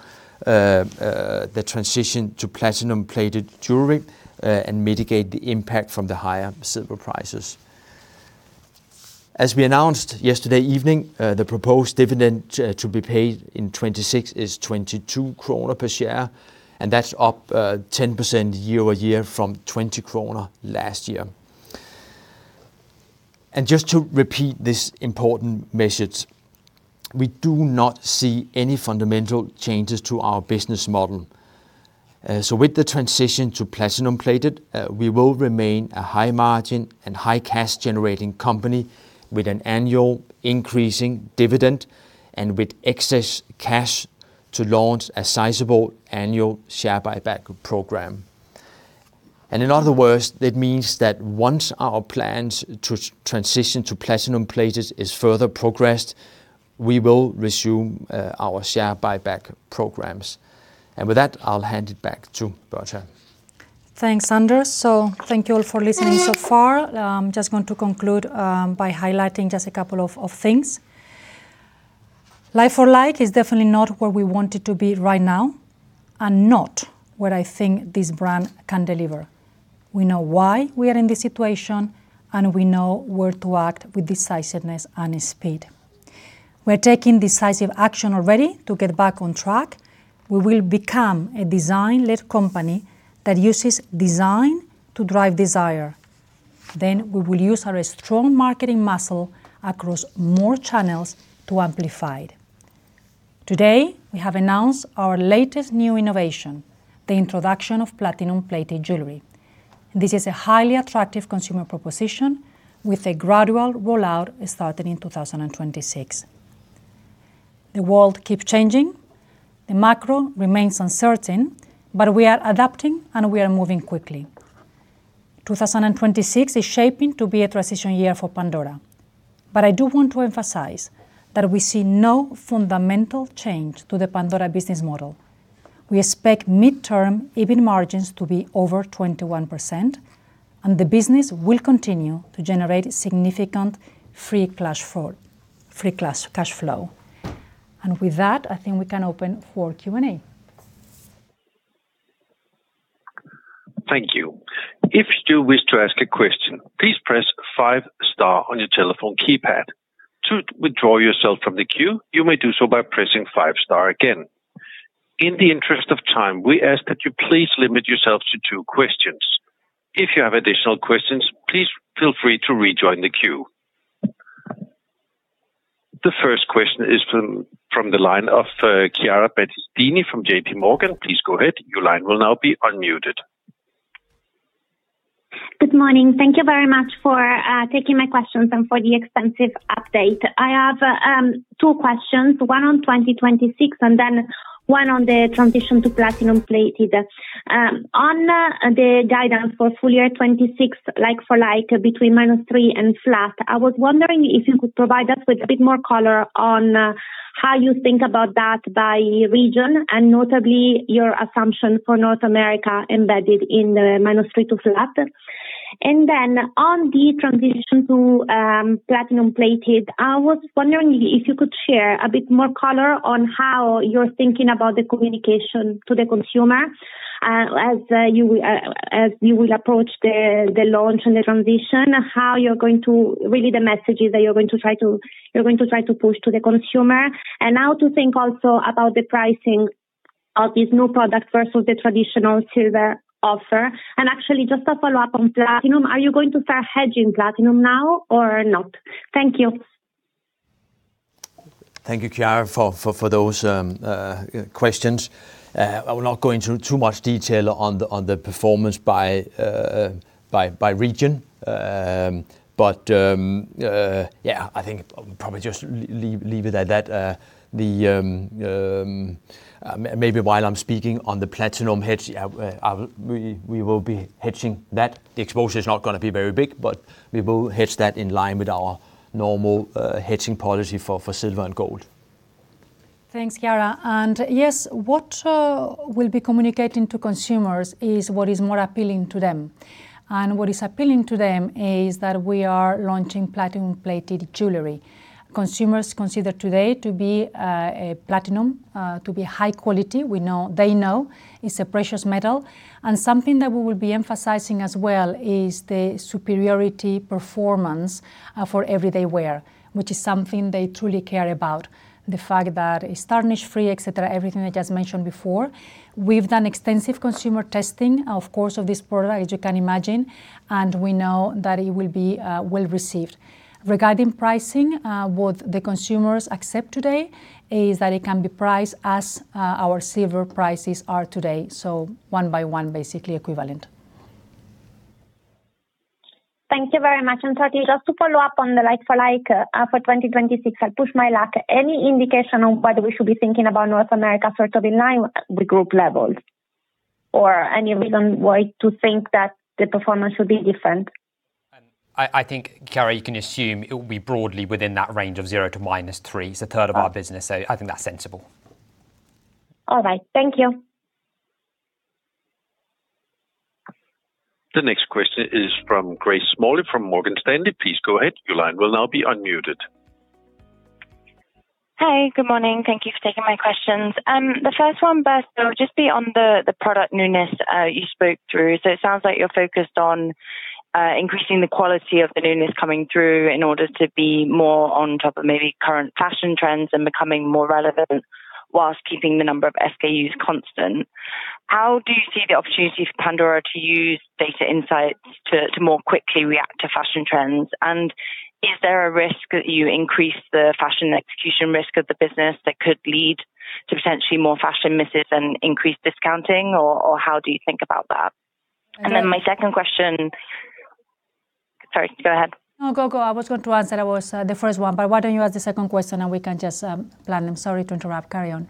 C: the transition to platinum-plated jewelry and mitigate the impact from the higher silver prices. As we announced yesterday evening, the proposed dividend to be paid in 2026 is 22 kroner per share, and that's up 10% year-over-year from 20 kroner last year. Just to repeat this important message, we do not see any fundamental changes to our business model... so with the transition to platinum-plated, we will remain a high margin and high cash-generating company, with an annual increasing dividend and with excess cash to launch a sizable annual share buyback program. And in other words, that means that once our plans to transition to platinum-plated is further progressed, we will resume our share buyback programs. And with that, I'll hand it back to Berta.
B: Thanks, Anders. So thank you all for listening so far. Just want to conclude by highlighting just a couple of things. Like-for-like is definitely not where we want it to be right now, and not what I think this brand can deliver. We know why we are in this situation, and we know where to act with decisiveness and speed. We're taking decisive action already to get back on track. We will become a design-led company that uses design to drive desire. Then, we will use our strong marketing muscle across more channels to amplify it. Today, we have announced our latest new innovation, the introduction of platinum-plated jewelry. This is a highly attractive consumer proposition, with a gradual rollout starting in 2026. The world keep changing, the macro remains uncertain, but we are adapting, and we are moving quickly. 2026 is shaping to be a transition year for Pandora. But I do want to emphasize that we see no fundamental change to the Pandora business model. We expect midterm EBIT margins to be over 21%, and the business will continue to generate significant free cash flow, free cash, cash flow. With that, I think we can open for Q&A.
D: Thank you. If you wish to ask a question, please press five star on your telephone keypad. To withdraw yourself from the queue, you may do so by pressing five star again. In the interest of time, we ask that you please limit yourself to two questions. If you have additional questions, please feel free to rejoin the queue. The first question is from the line of Chiara Battistini from JP Morgan. Please go ahead. Your line will now be unmuted.
E: Good morning. Thank you very much for taking my questions and for the extensive update. I have two questions, one on 2026, and then one on the transition to platinum-plated. On the guidance for full year 2026, like-for-like, between -3 and flat, I was wondering if you could provide us with a bit more color on how you think about that by region, and notably, your assumption for North America embedded in the -3 to flat. And then on the transition to platinum-plated, I was wondering if you could share a bit more color on how you're thinking about the communication to the consumer, as you as you will approach the the launch and the transition, how you're going to... Really, the messages that you're going to try to push to the consumer, and how to think also about the pricing of this new product versus the traditional silver offer. And actually, just a follow-up on platinum: Are you going to start hedging platinum now or not? Thank you.
C: Thank you, Chiara, for those questions. I will not go into too much detail on the performance by region. But yeah, I think probably just leave it at that. Maybe while I'm speaking on the platinum hedge, we will be hedging that. The exposure is not gonna be very big, but we will hedge that in line with our normal hedging policy for silver and gold.
B: Thanks, Chiara. And yes, what we'll be communicating to consumers is what is more appealing to them. And what is appealing to them is that we are launching platinum-plated jewelry. Consumers consider today to be a platinum to be high quality. We know. They know it's a precious metal. And something that we will be emphasizing as well is the superiority performance for everyday wear, which is something they truly care about. The fact that it's tarnish free, et cetera, everything I just mentioned before. We've done extensive consumer testing, of course, of this product, as you can imagine, and we know that it will be well received. Regarding pricing, what the consumers accept today is that it can be priced as our silver prices are today, so one by one, basically equivalent.
E: Thank you very much. Sorry, just to follow up on the like-for-like for 2026, I'll push my luck. Any indication on whether we should be thinking about North America sort of in line with group levels? Or any reason why to think that the performance will be different?
A: I think, Chiara, you can assume it will be broadly within that range of 0 to -3. It's a third of our business, so I think that's sensible.
E: All right. Thank you.
D: The next question is from Grace Smalley, from Morgan Stanley. Please go ahead. Your line will now be unmuted.
F: Hi, good morning. Thank you for taking my questions. The first one, Berta, will just be on the product newness you spoke through. So it sounds like you're focused on increasing the quality of the newness coming through in order to be more on top of maybe current fashion trends and becoming more relevant, while keeping the number of SKUs constant. How do you see the opportunity for Pandora to use data insights to more quickly react to fashion trends? And is there a risk that you increase the fashion execution risk of the business that could lead to potentially more fashion misses and increased discounting, or how do you think about that?
B: Uh-
F: And then my second question... Sorry, go ahead.
B: No, go, go. I was going to answer. I was the first one, but why don't you ask the second question and we can just plan them? Sorry to interrupt. Carry on.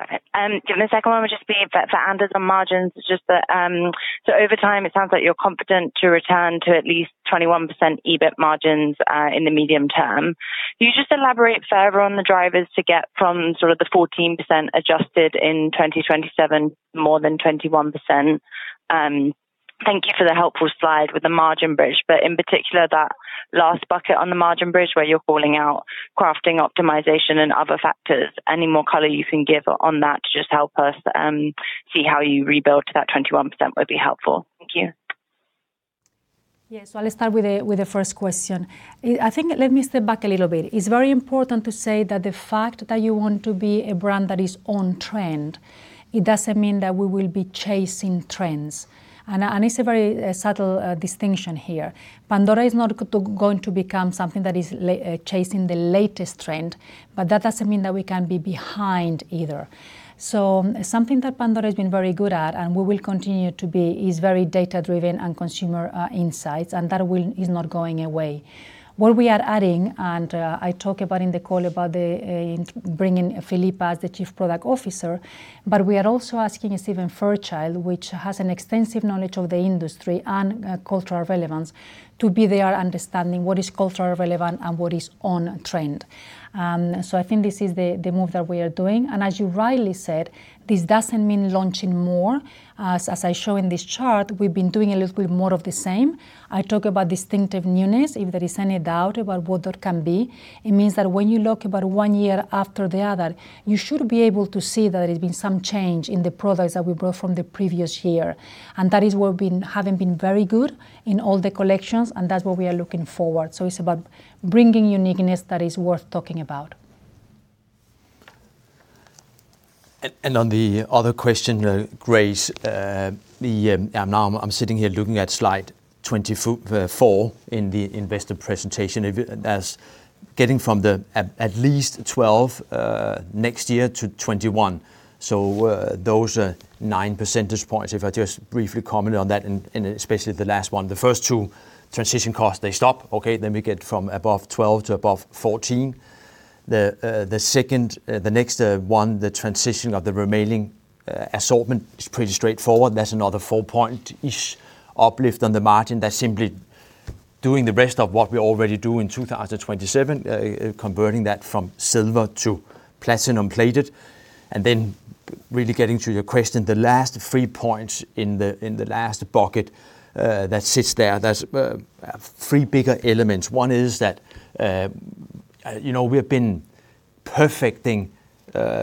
F: Okay. Then the second one would just be for, for Anders on margins, just that, so over time, it sounds like you're confident to return to at least 21% EBIT margins, in the medium term. Can you just elaborate further on the drivers to get from sort of the 14% adjusted in 2027, more than 21%? Thank you for the helpful slide with the margin bridge, but in particular, that last bucket on the margin bridge, where you're calling out crafting, optimization, and other factors, any more color you can give on that to just help us, see how you rebuild to that 21% would be helpful. Thank you.
B: Yes, so I'll start with the first question. I think let me step back a little bit. It's very important to say that the fact that you want to be a brand that is on trend, it doesn't mean that we will be chasing trends, and it's a very subtle distinction here. Pandora is not going to become something that is chasing the latest trend, but that doesn't mean that we can be behind either. So something that Pandora has been very good at, and we will continue to be, is very data-driven and consumer insights, and that is not going away. What we are adding, and I talk about in the call about the in bringing Philippa as the Chief Product Officer, but we are also asking Stephen Fairchild, which has an extensive knowledge of the industry and cultural relevance, to be there understanding what is culturally relevant and what is on trend. So I think this is the move that we are doing, and as you rightly said, this doesn't mean launching more. As I show in this chart, we've been doing a little bit more of the same. I talk about distinctive newness, if there is any doubt about what that can be. It means that when you look about one year after the other, you should be able to see that there's been some change in the products that we brought from the previous year. That is where we've been, having been very good in all the collections, and that's what we are looking forward. It's about bringing uniqueness that is worth talking about.
C: On the other question, Grace, now I'm sitting here looking at slide 24 for in the investor presentation. If as getting from at least 12 next year to 21, so those are 9 percentage points. If I just briefly comment on that and especially the last one. The first two transition costs, they stop. Okay, then we get from above 12 to above 14. The second, the next one, the transition of the remaining assortment is pretty straightforward. That's another 4-point-ish uplift on the margin. That's simply doing the rest of what we already do in 2027, converting that from silver to platinum-plated. And then really getting to your question, the last three points in the last bucket that sits there, that's three bigger elements. One is that, you know, we have been perfecting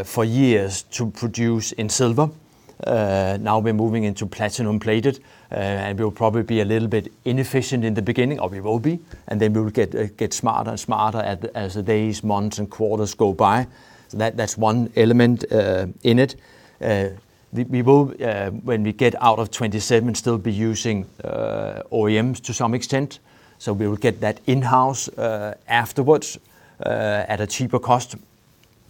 C: for years to produce in silver. Now we're moving into platinum-plated, and we'll probably be a little bit inefficient in the beginning, or we will be, and then we will get smarter and smarter as the days, months, and quarters go by. That's one element in it. We will, when we get out of 2027, still be using OEMs to some extent, so we will get that in-house afterwards at a cheaper cost.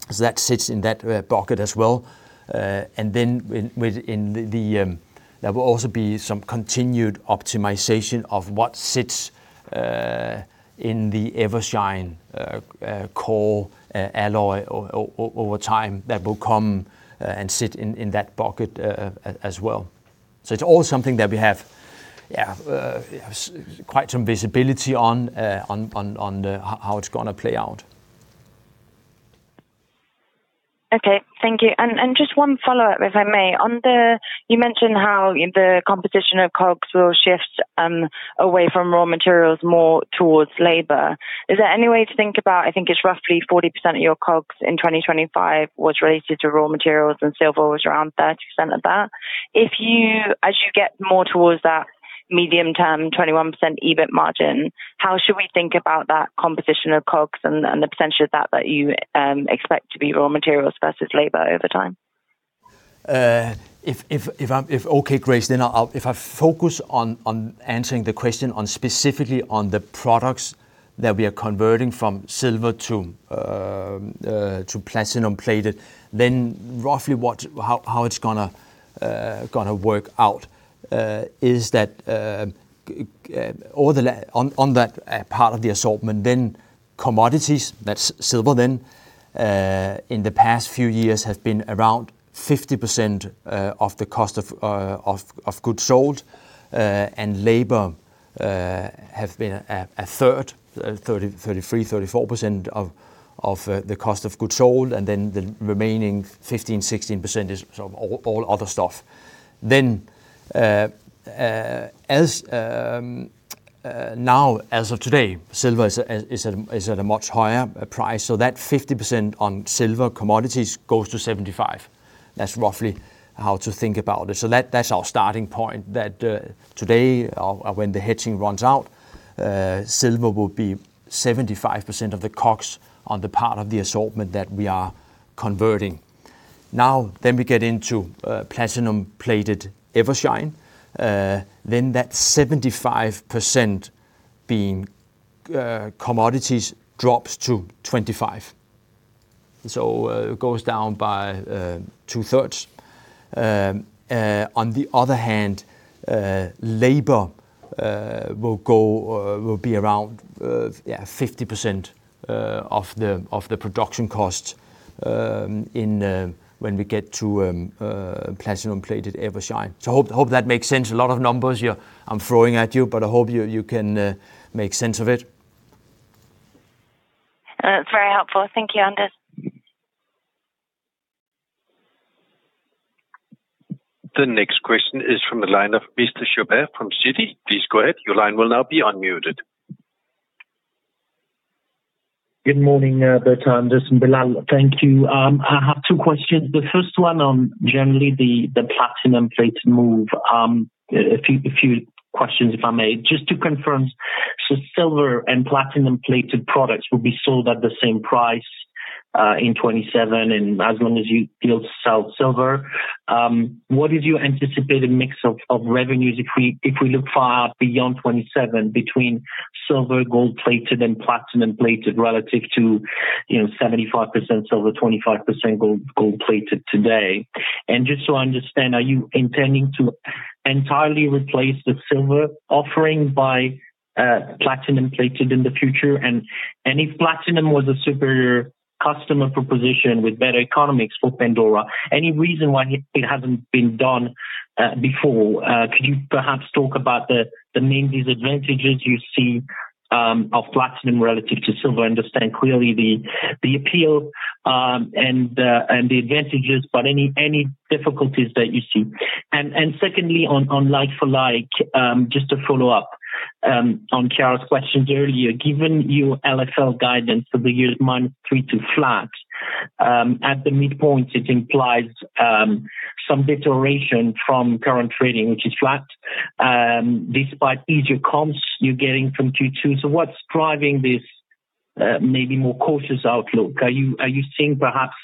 C: So that sits in that bucket as well. And then within the, there will also be some continued optimization of what sits in the Evershine Core alloy over time that will come and sit in that bucket as well. So it's all something that we have quite some visibility on how it's gonna play out.
F: Okay. Thank you. Just one follow-up, if I may. On the, you mentioned how the composition of COGS will shift away from raw materials more towards labor. Is there any way to think about, I think it's roughly 40% of your COGS in 2025 was related to raw materials, and silver was around 30% of that. If you, as you get more towards that medium-term, 21% EBIT margin, how should we think about that composition of COGS and the percentage of that that you expect to be raw materials versus labor over time?
C: Okay, Grace, then I'll focus on answering the question specifically on the products that we are converting from silver to platinum-plated, then roughly how it's gonna work out is that all on that part of the assortment, then commodities, that's silver then in the past few years have been around 50% of the cost of goods sold, and labor have been a third, 33%-34% of the cost of goods sold, and then the remaining 15%-16% is sort of all other stuff. Then, as of today, silver is at a much higher price, so that 50% on silver commodities goes to 75%. That's roughly how to think about it. So that's our starting point, that today or when the hedging runs out, silver will be 75% of the COGS on the part of the assortment that we are converting. Now, then we get into platinum-plated Evershine, then that 75% being commodities drops to 25%.... So, it goes down by two-thirds. On the other hand, labor will be around 50% of the production costs when we get to platinum-plated Evershine. So I hope that makes sense. A lot of numbers here I'm throwing at you, but I hope you can make sense of it.
F: It's very helpful. Thank you, Anders.
D: The next question is from the line of Mr. Chauvet from Citi. Please go ahead. Your line will now be unmuted.
G: Good morning, Berta, Anders, and Bilal. Thank you. I have two questions. The first one on generally the platinum-plated move. A few questions, if I may. Just to confirm, so silver and platinum-plated products will be sold at the same price in 2027, and as long as you still sell silver. What is your anticipated mix of revenues if we look far beyond 2027, between silver, gold-plated, and platinum-plated, relative to, you know, 75% silver, 25% gold-plated today? And just so I understand, are you intending to entirely replace the silver offering by platinum-plated in the future? And if platinum was a superior customer proposition with better economics for Pandora, any reason why it hasn't been done before? Could you perhaps talk about the main disadvantages you see of platinum relative to silver? I understand clearly the appeal and the advantages, but any difficulties that you see? And secondly, on like-for-like, just to follow up on Kara's questions earlier. Given your LFL guidance for the year -3 to flat, at the midpoint, it implies some deterioration from current trading, which is flat, despite easier comps you're getting from Q2. So what's driving this maybe more cautious outlook? Are you seeing perhaps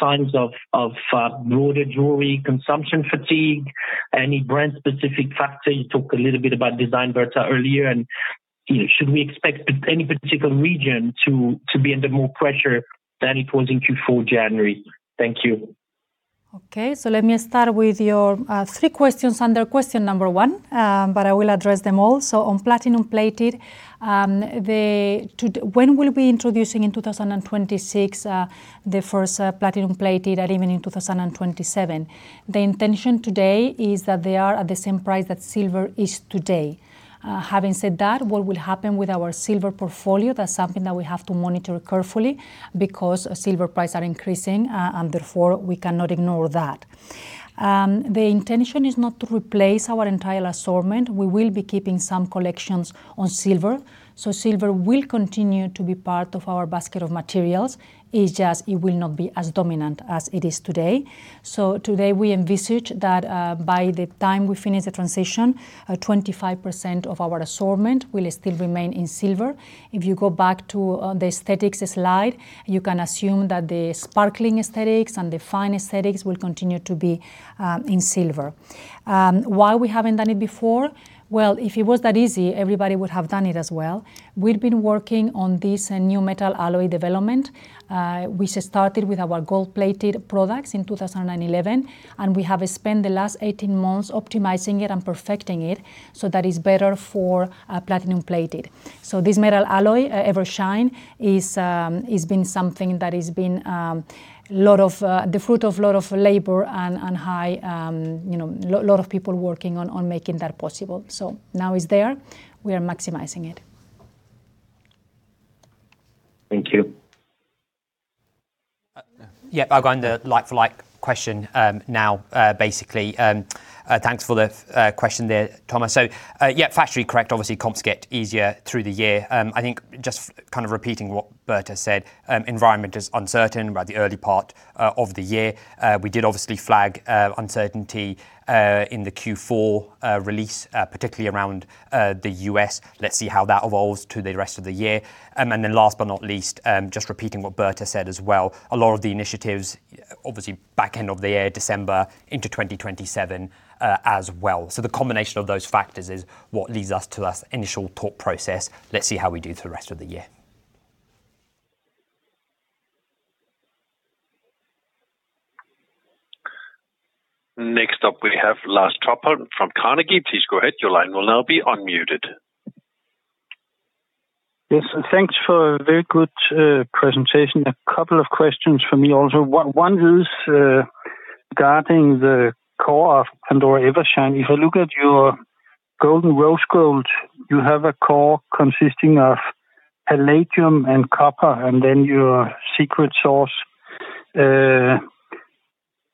G: signs of broader jewelry consumption fatigue? Any brand-specific factor? You talked a little bit about design, Berta, earlier, and you know, should we expect any particular region to be under more pressure than it was in Q4 January? Thank you.
B: Okay, so let me start with your three questions under question number one, but I will address them all. So on platinum-plated, when we'll be introducing in 2026 the first platinum-plated, and even in 2027? The intention today is that they are at the same price that silver is today. Having said that, what will happen with our silver portfolio, that's something that we have to monitor carefully because silver prices are increasing, and therefore, we cannot ignore that. The intention is not to replace our entire assortment. We will be keeping some collections on silver. So silver will continue to be part of our basket of materials. It's just it will not be as dominant as it is today. So today, we envisage that, by the time we finish the transition, 25% of our assortment will still remain in silver. If you go back to the aesthetics slide, you can assume that the sparkling aesthetics and the fine aesthetics will continue to be in silver. Why we haven't done it before? Well, if it was that easy, everybody would have done it as well. We've been working on this new metal alloy development. We started with our gold-plated products in 2011, and we have spent the last 18 months optimizing it and perfecting it, so that it's better for platinum-plated. So this metal alloy, Evershine, has been the fruit of a lot of labor and, you know, a lot of people working on making that possible. So now it's there. We are maximizing it.
G: Thank you.
C: Yeah, I'll go on the like-for-like question, now, basically. Thanks for the question there, Thomas. So, yeah, factually correct. Obviously, comps get easier through the year. I think just kind of repeating what Berta said, environment is uncertain about the early part of the year. We did obviously flag uncertainty in the Q4 release, particularly around the U.S. Let's see how that evolves to the rest of the year. And then last but not least, just repeating what Berta said as well, a lot of the initiatives, obviously, back end of the year, December into 2027, as well. So the combination of those factors is what leads us to that initial thought process. Let's see how we do through the rest of the year.
D: Next up, we have Lars Topholm from Carnegie. Please go ahead. Your line will now be unmuted.
H: Yes, thanks for a very good presentation. A couple of questions from me also. One is regarding the Core of Pandora Evershine. If I look at your golden rose gold, you have a Core consisting of palladium and copper, and then your secret sauce.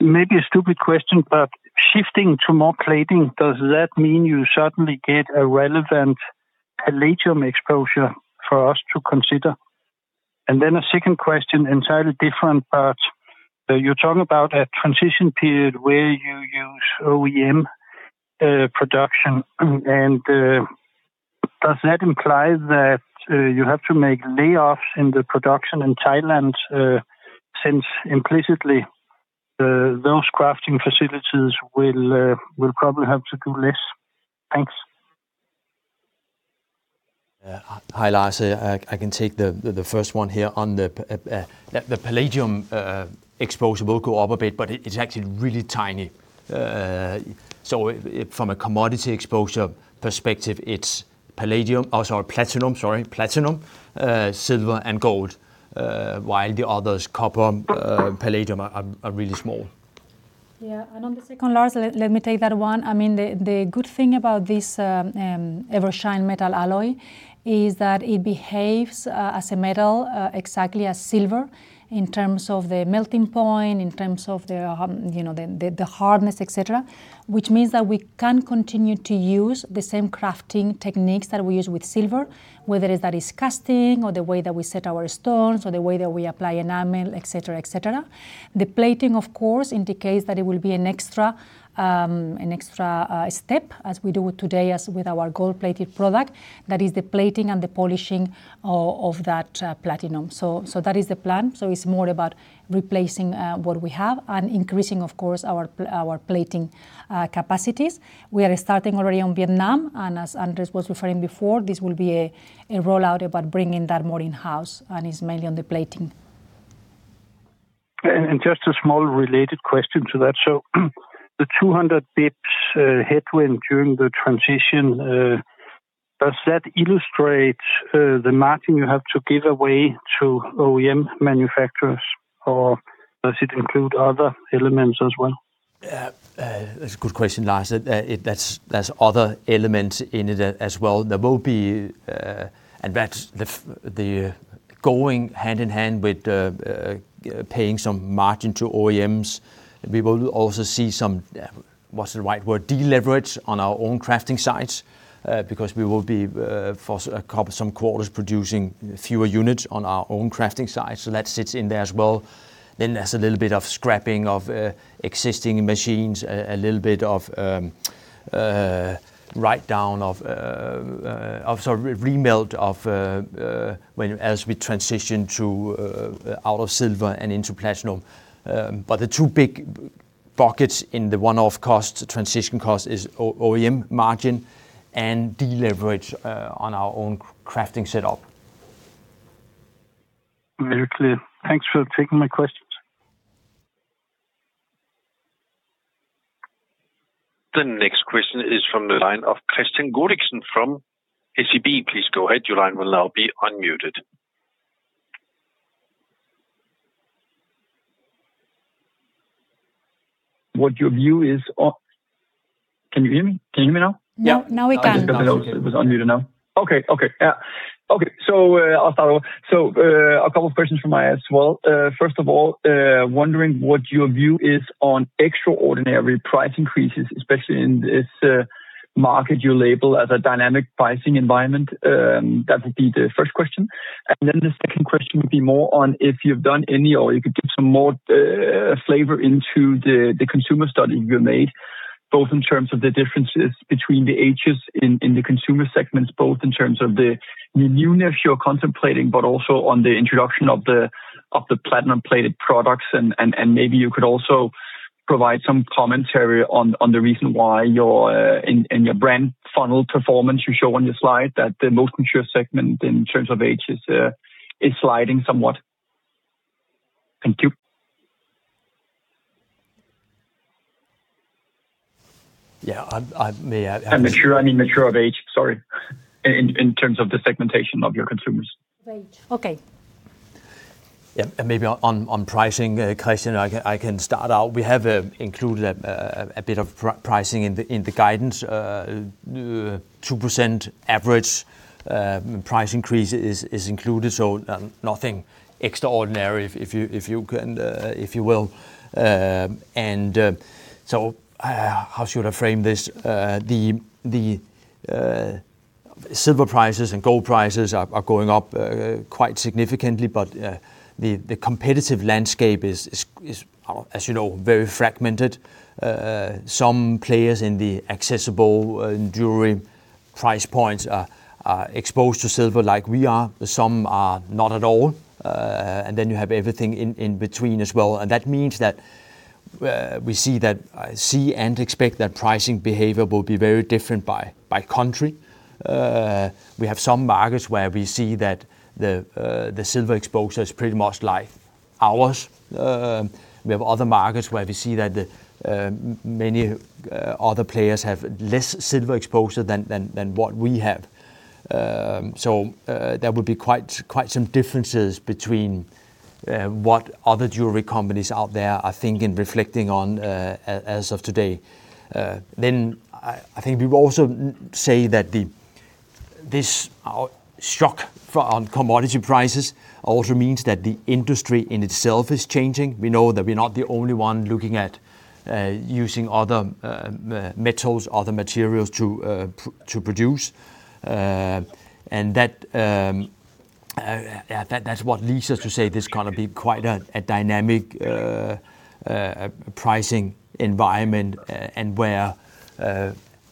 H: Maybe a stupid question, but shifting to more plating, does that mean you suddenly get a relevant palladium exposure for us to consider? And then a second question, entirely different part. You're talking about a transition period where you use OEM production, and does that imply that you have to make layoffs in the production in Thailand, since implicitly those crafting facilities will probably have to do less? Thanks.
C: Hi, Lars. I can take the first one here on the palladium exposure will go up a bit, but it's actually really tiny. So from a commodity exposure perspective, it's palladium—oh, sorry, platinum, sorry, platinum, silver, and gold, while the others, copper, palladium are really small.
B: Yeah, and on the second, Lars, let me take that one. I mean, the good thing about this Evershine metal alloy is that it behaves as a metal exactly as silver in terms of the melting point, in terms of the hardness, you know, et cetera. Which means that we can continue to use the same crafting techniques that we use with silver, whether it's casting or the way that we set our stones or the way that we apply enamel, et cetera, et cetera. The plating, of course, indicates that it will be an extra step, as we do today with our gold-plated product. That is the plating and the polishing of that platinum. So that is the plan. So it's more about replacing what we have and increasing, of course, our plating capacities. We are starting already on Vietnam, and as Anders was referring before, this will be a rollout about bringing that more in-house, and it's mainly on the plating.
H: Just a small related question to that. So the 200 basis points headwind during the transition does that illustrate the margin you have to give away to OEM manufacturers, or does it include other elements as well?
C: That's a good question, Lars. That's, there's other elements in it as well. There will be, and that's the going hand-in-hand with the paying some margin to OEMs. We will also see some, what's the right word? Deleverage on our own crafting sites, because we will be, for some quarters, producing fewer units on our own crafting sites, so that sits in there as well. Then there's a little bit of scrapping of existing machines, a little bit of write down of, sorry, remelt of, when as we transition to out of silver and into platinum. But the two big buckets in the one-off cost, transition cost, is OEM margin and deleverage on our own crafting setup.
H: Very clear. Thanks for taking my questions.
D: The next question is from the line of Kristian Godiksen from SEB. Please go ahead. Your line will now be unmuted.
I: What your view is on... Can you hear me? Can you hear me now?
B: Yeah. Now we can.
C: It was unmuted now.
I: Okay, okay. Yeah. Okay, so, I'll start over. So, a couple of questions from my end as well. First of all, wondering what your view is on extraordinary price increases, especially in this market you label as a dynamic pricing environment, that would be the first question. And then the second question would be more on if you've done any, or you could give some more flavor into the consumer study you made, both in terms of the differences between the ages in the consumer segments, both in terms of the newness you're contemplating, but also on the introduction of the platinum-plated products. Maybe you could also provide some commentary on the reason why, in your brand funnel performance you show on your slide, that the most mature segment in terms of age is sliding somewhat. Thank you.
C: Yeah, I may I-
I: Mature, I mean mature of age, sorry, in terms of the segmentation of your consumers.
B: Of age. Okay.
C: Yeah, and maybe on pricing, Kristian, I can start out. We have included a bit of pricing in the guidance. 2% average price increase is included, so nothing extraordinary if you will. And so how should I frame this? The silver prices and gold prices are going up quite significantly, but the competitive landscape is, as you know, very fragmented. Some players in the accessible jewelry price points are exposed to silver like we are, some are not at all, and then you have everything in between as well. And that means that we see and expect that pricing behavior will be very different by country. We have some markets where we see that the silver exposure is pretty much like ours. We have other markets where we see that the many other players have less silver exposure than what we have. So, there will be quite some differences between what other jewelry companies out there are thinking, reflecting on, as of today. Then I think we will also say that this shock for on commodity prices also means that the industry in itself is changing. We know that we're not the only one looking at using other metals, other materials to produce. And that, that's what leads us to say this is gonna be quite a dynamic pricing environment, and where,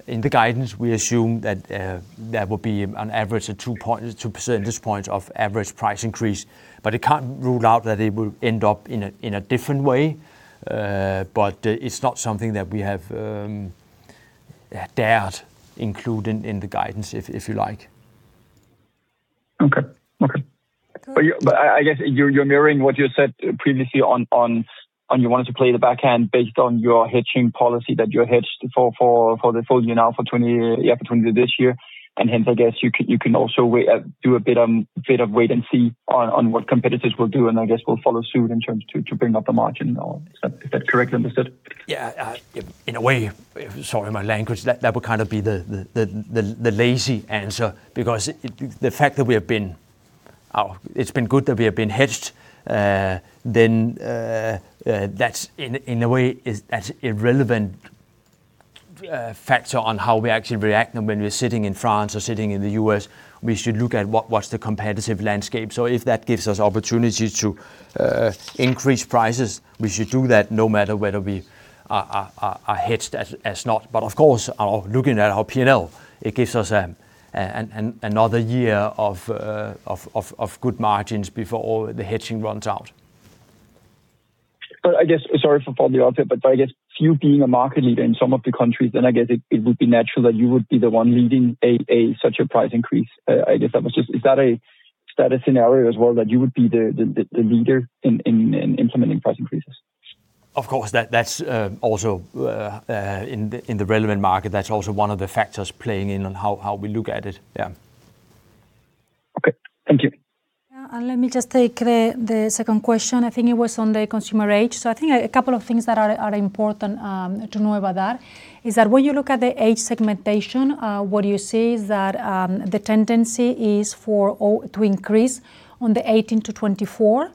C: in the guidance, we assume that there will be on average a 2.2 percentage points of average price increase, but it can't rule out that it will end up in a different way. But it's not something that we have dared include in the guidance, if you like.
I: Okay, okay. But I guess you're mirroring what you said previously on you wanted to play the backhand based on your hedging policy that you hedged for the full year now, for 2025 this year, and hence, I guess you can also wait and do a bit of wait and see on what competitors will do, and I guess we'll follow suit in terms to bring up the margin or is that correctly understood?
C: Yeah, in a way, sorry, my language, that would kind of be the lazy answer because the fact that we have been out... It's been good that we have been hedged, then, that's in a way that's irrelevant factor on how we actually react now when we're sitting in France or sitting in the U.S. We should look at what's the competitive landscape. So if that gives us opportunity to increase prices, we should do that no matter whether we are hedged or not. But of course, looking at our P&L, it gives us another year of good margins before all the hedging runs out.
I: But I guess, sorry for following the answer, but I guess you being a market leader in some of the countries, then I guess it would be natural that you would be the one leading such a price increase. I guess that was just— Is that a scenario as well, that you would be the leader in implementing price increases?
C: Of course, that, that's also in the relevant market, that's also one of the factors playing in on how we look at it. Yeah.
I: Okay. Thank you.
B: Yeah, and let me just take the second question. I think it was on the consumer age. So I think a couple of things that are important to know about that is that when you look at the age segmentation, what you see is that the tendency is for all to increase on the 18-24.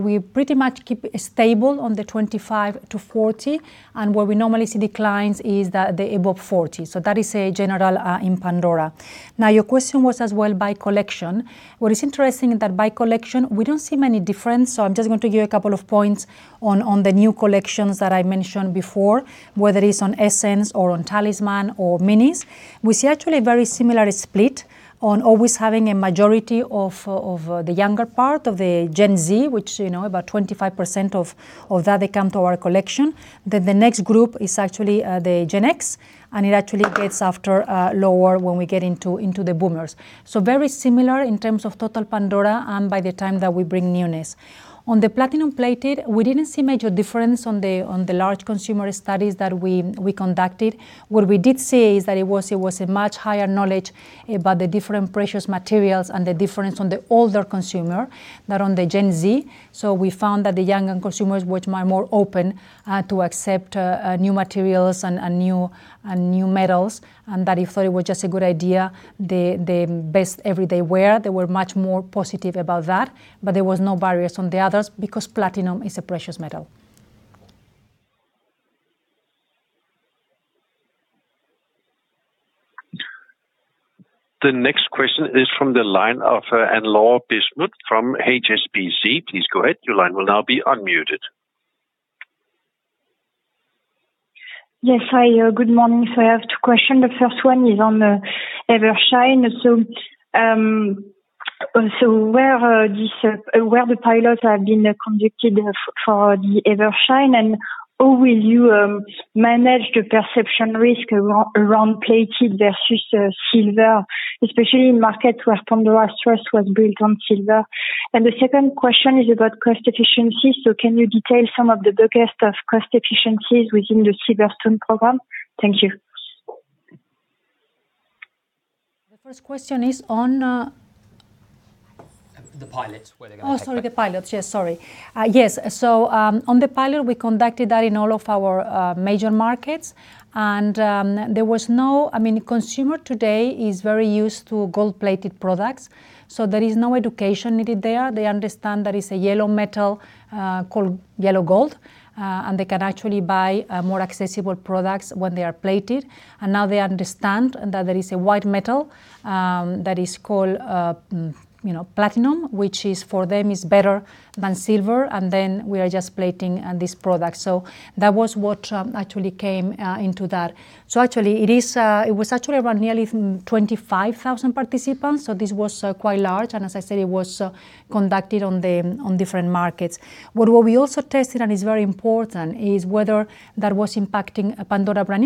B: We pretty much keep it stable on the 25-40, and where we normally see declines is that the above 40. So that is a general in Pandora. Now, your question was as well by collection. What is interesting is that by collection, we don't see many differences, so I'm just going to give you a couple of points on the new collections that I mentioned before, whether it's on Essence or on Talisman or minis. We see actually a very similar split on always having a majority of the younger part of the Gen Z, which, you know, about 25% of that they come to our collection. Then the next group is actually the Gen X, and it actually gets lower when we get into the boomers. So very similar in terms of total Pandora, and by the time that we bring newness. On the platinum-plated, we didn't see major difference on the large consumer studies that we conducted. What we did see is that it was a much higher knowledge about the different precious materials and the difference on the older consumer than on the Gen Z. So we found that the younger consumers, which are more open to accept new materials and new metals, and that if they were just a good idea, the best everyday wear, they were much more positive about that, but there was no barriers on the others because platinum is a precious metal.
D: The next question is from the line of Anne-Laure Bismuth from HSBC. Please go ahead. Your line will now be unmuted.
J: Yes, hi. Good morning. So I have two questions. The first one is on the Evershine. So where the pilots have been conducted for the Evershine, and how will you manage the perception risk around plated versus silver, especially in markets where Pandora trust was built on silver? And the second question is about cost efficiency. So can you detail some of the biggest of cost efficiencies within the Silverstone program? Thank you.
B: The first question is on.
C: The pilots, where they're gonna-
B: Oh, sorry, the pilots. Yes, sorry. Yes. So, on the pilot, we conducted that in all of our, major markets, and, there was no-- I mean, consumer today is very used to gold-plated products, so there is no education needed there. They understand there is a yellow metal, called yellow gold, and they can actually buy, more accessible products when they are plated. And now they understand that there is a white metal, that is called, you know, platinum, which is, for them, is better than silver, and then we are just plating on this product. So that was what, actually came, into that. So actually, it is, it was actually around nearly 25,000 participants, so this was, quite large, and as I said, it was, conducted on the, on different markets. What we also tested, and it's very important, is whether that was impacting a Pandora brand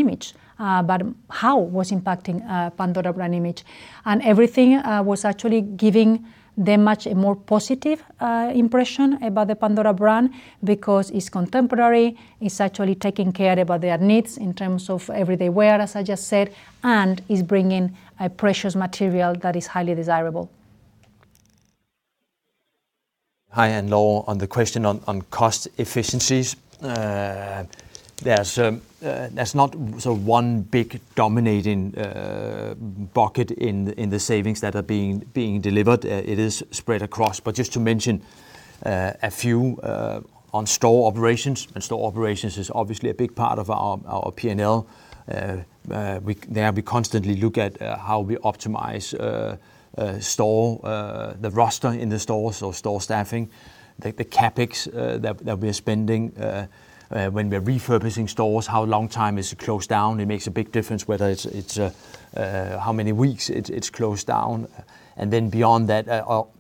B: image, but how it was impacting, Pandora brand image. And everything, was actually giving them much a more positive, impression about the Pandora brand because it's contemporary, it's actually taking care about their needs in terms of everyday wear, as I just said, and it's bringing a precious material that is highly desirable.
C: Hi, Anne-Laure, on the question on cost efficiencies, there's not so one big dominating bucket in the savings that are being delivered. It is spread across, but just to mention a few, on store operations, and store operations is obviously a big part of our P&L. There we constantly look at how we optimize store the roster in the store, so store staffing, the CapEx that we're spending when we're refurbishing stores, how long time is it closed down? It makes a big difference whether it's how many weeks it's closed down. Then beyond that,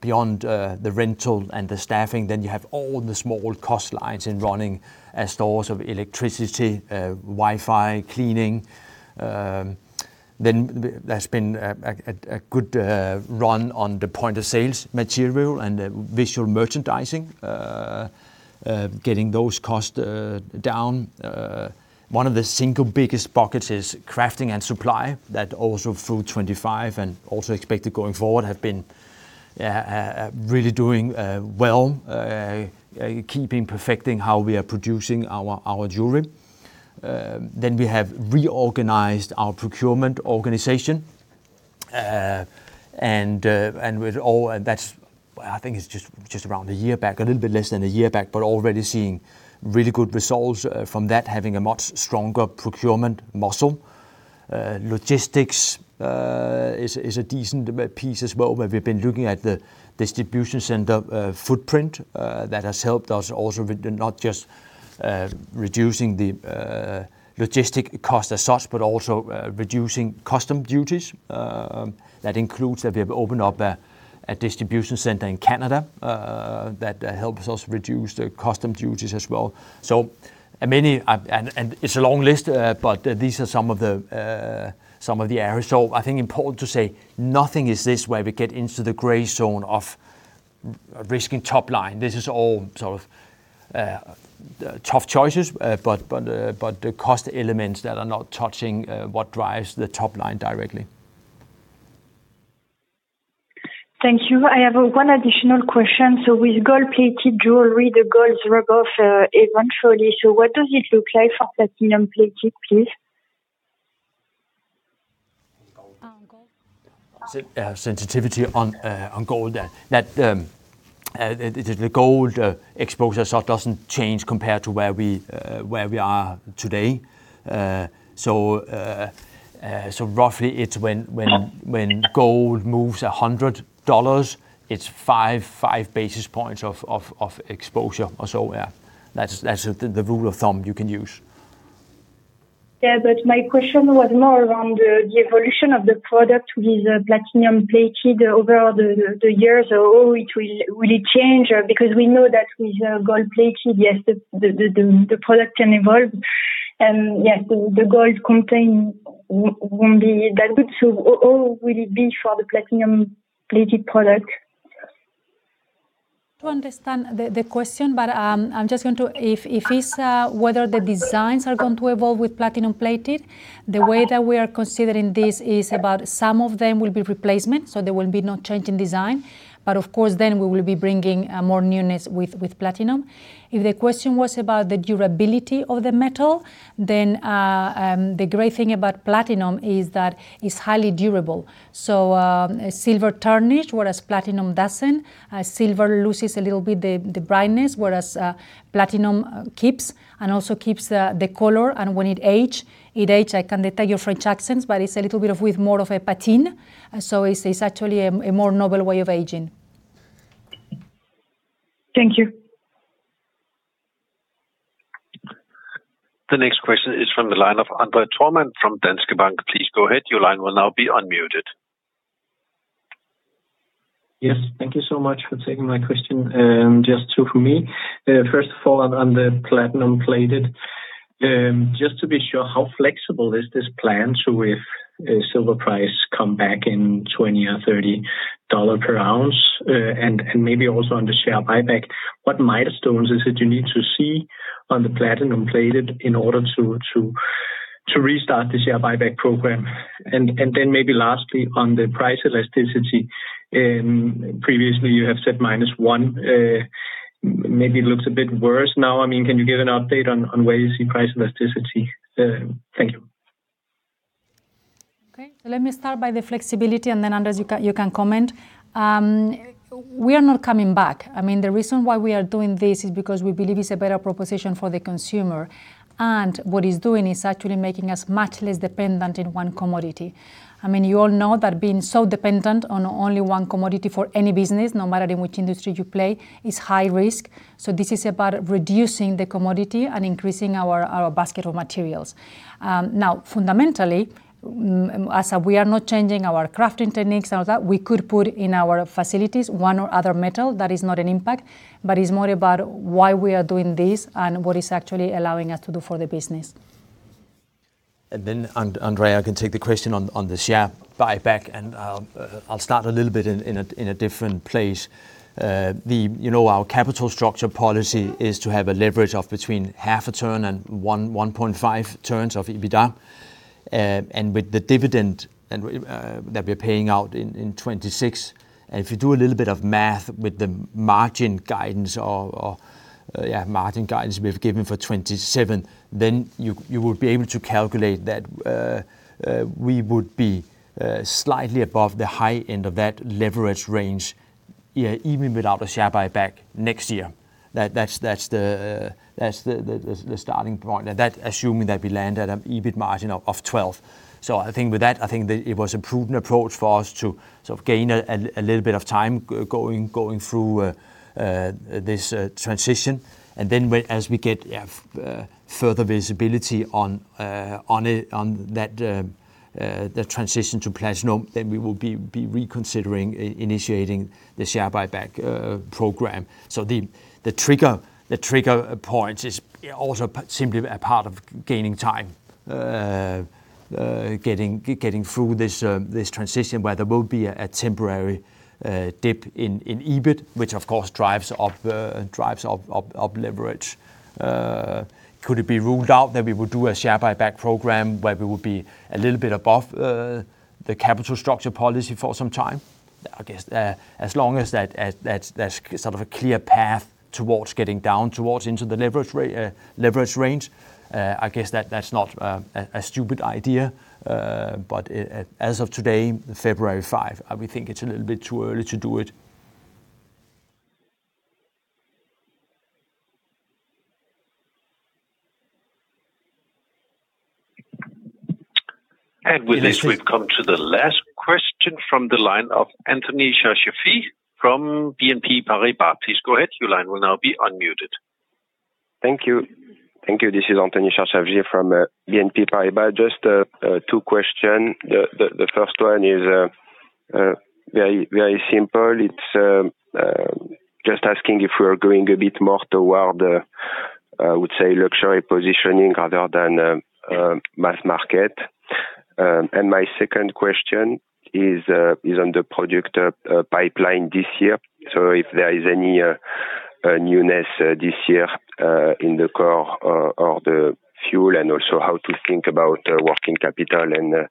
C: beyond the rental and the staffing, you have all the small cost lines in running stores of electricity, Wi-Fi, cleaning. Then there's been a good run on the point of sales material and visual merchandising, getting those costs down. One of the single biggest buckets is crafting and supply, that also through 2025 and also expected going forward, have been really doing well, keeping perfecting how we are producing our jewelry. Then we have reorganized our procurement organization, and, and with all and that's, I think it's just around a year back, a little bit less than a year back, but already seeing really good results from that, having a much stronger procurement muscle. Logistics is a decent piece as well, where we've been looking at the distribution center footprint that has helped us also with not just reducing the logistic cost as such, but also reducing custom duties. That includes that we have opened up a distribution center in Canada that helps us reduce the custom duties as well. So many, and it's a long list, but these are some of the areas. So I think important to say nothing is this way. We get into the gray zone of risking top line. This is all sort of tough choices, but the cost elements that are not touching what drives the top line directly.
J: Thank you. I have one additional question. So with gold-plated jewelry, the gold rub off eventually. So what does it look like for platinum-plated, please?
C: Sensitivity on gold, that the gold exposure so doesn't change compared to where we are today. Roughly it's when gold moves $100, it's five basis points of exposure or so, yeah. That's the rule of thumb you can use.
J: Yeah, but my question was more around the evolution of the product with platinum plated over the years or how it will really change, because we know that with gold plated, yes, the product can evolve, and yes, the gold content won't be that good. So how will it be for the platinum plated product?
B: To understand the question, but I'm just going to... If it's whether the designs are going to evolve with platinum plated, the way that we are considering this is about some of them will be replacement, so there will be no change in design. But of course, then we will be bringing more newness with platinum. If the question was about the durability of the metal, then the great thing about platinum is that it's highly durable. So, silver tarnish, whereas platinum doesn't. Silver loses a little bit the brightness, whereas platinum keeps and also keeps the color, and when it age, it age, I can detect your French accents, but it's a little bit of with more of a patina. So it's actually a more noble way of aging.
J: Thank you.
D: The next question is from the line of André Thormann, from Danske Bank. Please go ahead. Your line will now be unmuted.
K: Yes, thank you so much for taking my question. Just two for me. First of all, on the platinum-plated, just to be sure, how flexible is this plan to if a silver price come back in $20 or $30 per ounce? And, and maybe also on the share buyback, what milestones is it you need to see on the platinum-plated in order to, to, to restart the share buyback program? And, and then maybe lastly, on the price elasticity, previously you have said -1, maybe it looks a bit worse now. I mean, can you give an update on, on where you see price elasticity? Thank you.
B: Okay, so let me start by the flexibility, and then, Anders, you can, you can comment. We are not coming back. I mean, the reason why we are doing this is because we believe it's a better proposition for the consumer, and what it's doing is actually making us much less dependent in one commodity. I mean, you all know that being so dependent on only one commodity for any business, no matter in which industry you play, is high risk. So this is about reducing the commodity and increasing our basket of materials. Now, fundamentally, as we are not changing our crafting techniques and all that, we could put in our facilities one or other metal. That is not an impact, but it's more about why we are doing this and what is actually allowing us to do for the business.
C: André, I can take the question on the share buyback, and I'll start a little bit in a different place. You know, our capital structure policy is to have a leverage of between 0.5 turn and 1.5 turns of EBITDA, and with the dividend that we're paying out in 2026, and if you do a little bit of math with the margin guidance or yeah, margin guidance we've given for 2027, then you will be able to calculate that we would be slightly above the high end of that leverage range, yeah, even without a share buyback next year. That's the starting point, and that's assuming that we land at an EBIT margin of 12%. So I think with that, I think that it was a proven approach for us to sort of gain a little bit of time going through this transition. And then when as we get further visibility on it, on that, the transition to platinum, then we will be reconsidering initiating the share buyback program. So the trigger point is also simply a part of gaining time getting through this transition, where there will be a temporary dip in EBIT, which of course, drives up leverage. Could it be ruled out that we would do a share buyback program where we would be a little bit above the capital structure policy for some time? I guess, as long as that's a clear path towards getting down into the leverage range, I guess that's not a stupid idea. But as of today, February five, I think it's a little bit too early to do it.
D: With this, we've come to the last question from the line of Antoine Charchafji from BNP Paribas. Please go ahead. Your line will now be unmuted.
L: Thank you. Thank you. This is Antoine Charchafji from BNP Paribas. Just two question. The first one is very, very simple. It's just asking if we are going a bit more toward, I would say, luxury positioning rather than mass market. And my second question is on the product pipeline this year. So if there is any newness this year in the Core or the fuel, and also how to think about working capital and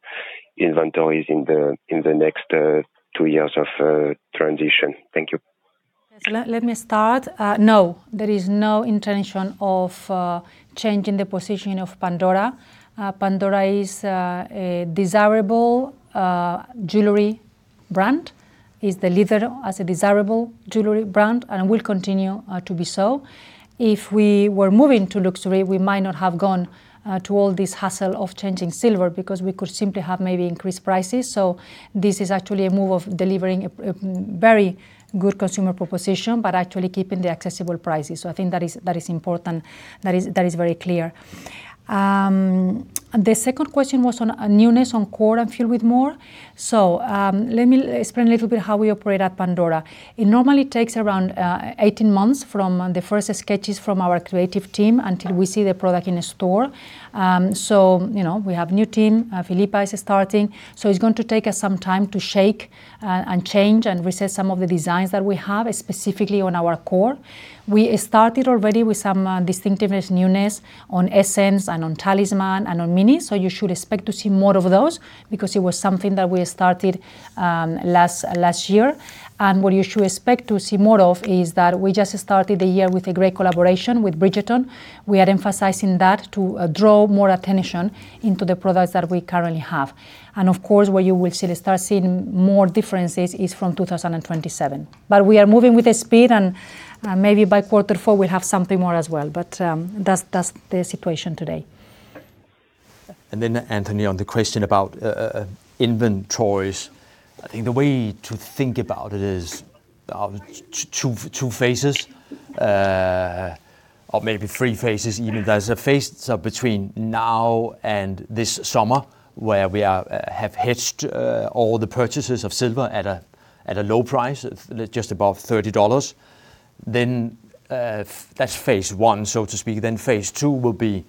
L: inventories in the next two years of transition. Thank you.
B: So let me start. No, there is no intention of changing the positioning of Pandora. Pandora is a desirable jewelry brand, is the leader as a desirable jewelry brand and will continue to be so. If we were moving to luxury, we might not have gone to all this hassle of changing silver, because we could simply have maybe increased prices. So this is actually a move of delivering a very good consumer proposition, but actually keeping the accessible prices. So I think that is important. That is very clear. The second question was on a newness, on Core, and Fuel with More. So let me explain a little bit how we operate at Pandora. It normally takes around 18 months from the first sketches from our creative team until we see the product in a store. So, you know, we have new team, Philippa is starting, so it's going to take us some time to shake and change and reset some of the designs that we have, specifically on our Core. We started already with some distinctiveness, newness on Essence and on Talisman and on Mini. So you should expect to see more of those because it was something that we started last year. And what you should expect to see more of is that we just started the year with a great collaboration with Bridgerton. We are emphasizing that to draw more attention into the products that we currently have. And of course, where you will see, start seeing more differences is from 2027. But we are moving with the speed, and, maybe by quarter four, we'll have something more as well, but, that's, that's the situation today.
C: And then Antoine, on the question about inventories, I think the way to think about it is two, two phases, or maybe three phases even. There's a phase, so between now and this summer, where we are have hedged all the purchases of silver at a low price, just above $30. Then that's phase one, so to speak. Then phase two will be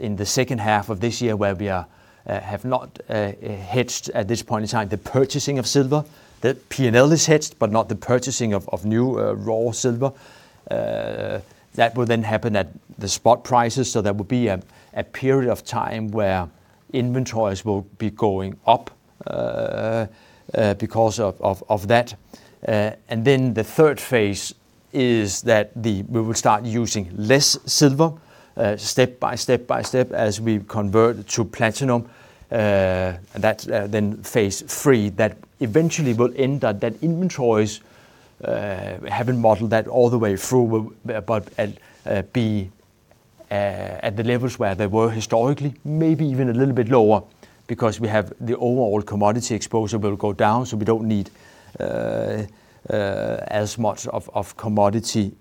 C: in the second half of this year, where we are have not hedged at this point in time, the purchasing of silver. The PNL is hedged, but not the purchasing of new raw silver. That will then happen at the spot prices, so there will be a period of time where inventories will be going up because of that. And then the third phase is that we will start using less silver step by step as we convert to platinum, and that's then phase three. That eventually will end at that inventories haven't modeled that all the way through, but be at the levels where they were historically, maybe even a little bit lower, because we have the overall commodity exposure will go down, so we don't need as much of commodity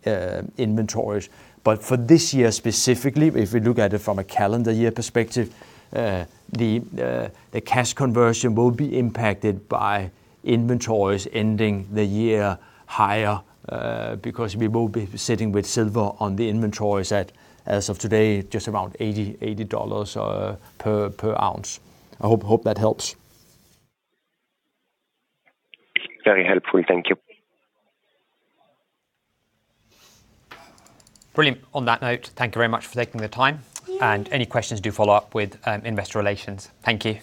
C: inventories. But for this year specifically, if we look at it from a calendar year perspective, the cash conversion will be impacted by inventories ending the year higher, because we will be sitting with silver on the inventories at, as of today, just around $80 per ounce. I hope that helps.
L: Very helpful. Thank you.
A: Brilliant. On that note, thank you very much for taking the time.
B: Yeah.
A: Any questions, do follow up with Investor Relations. Thank you.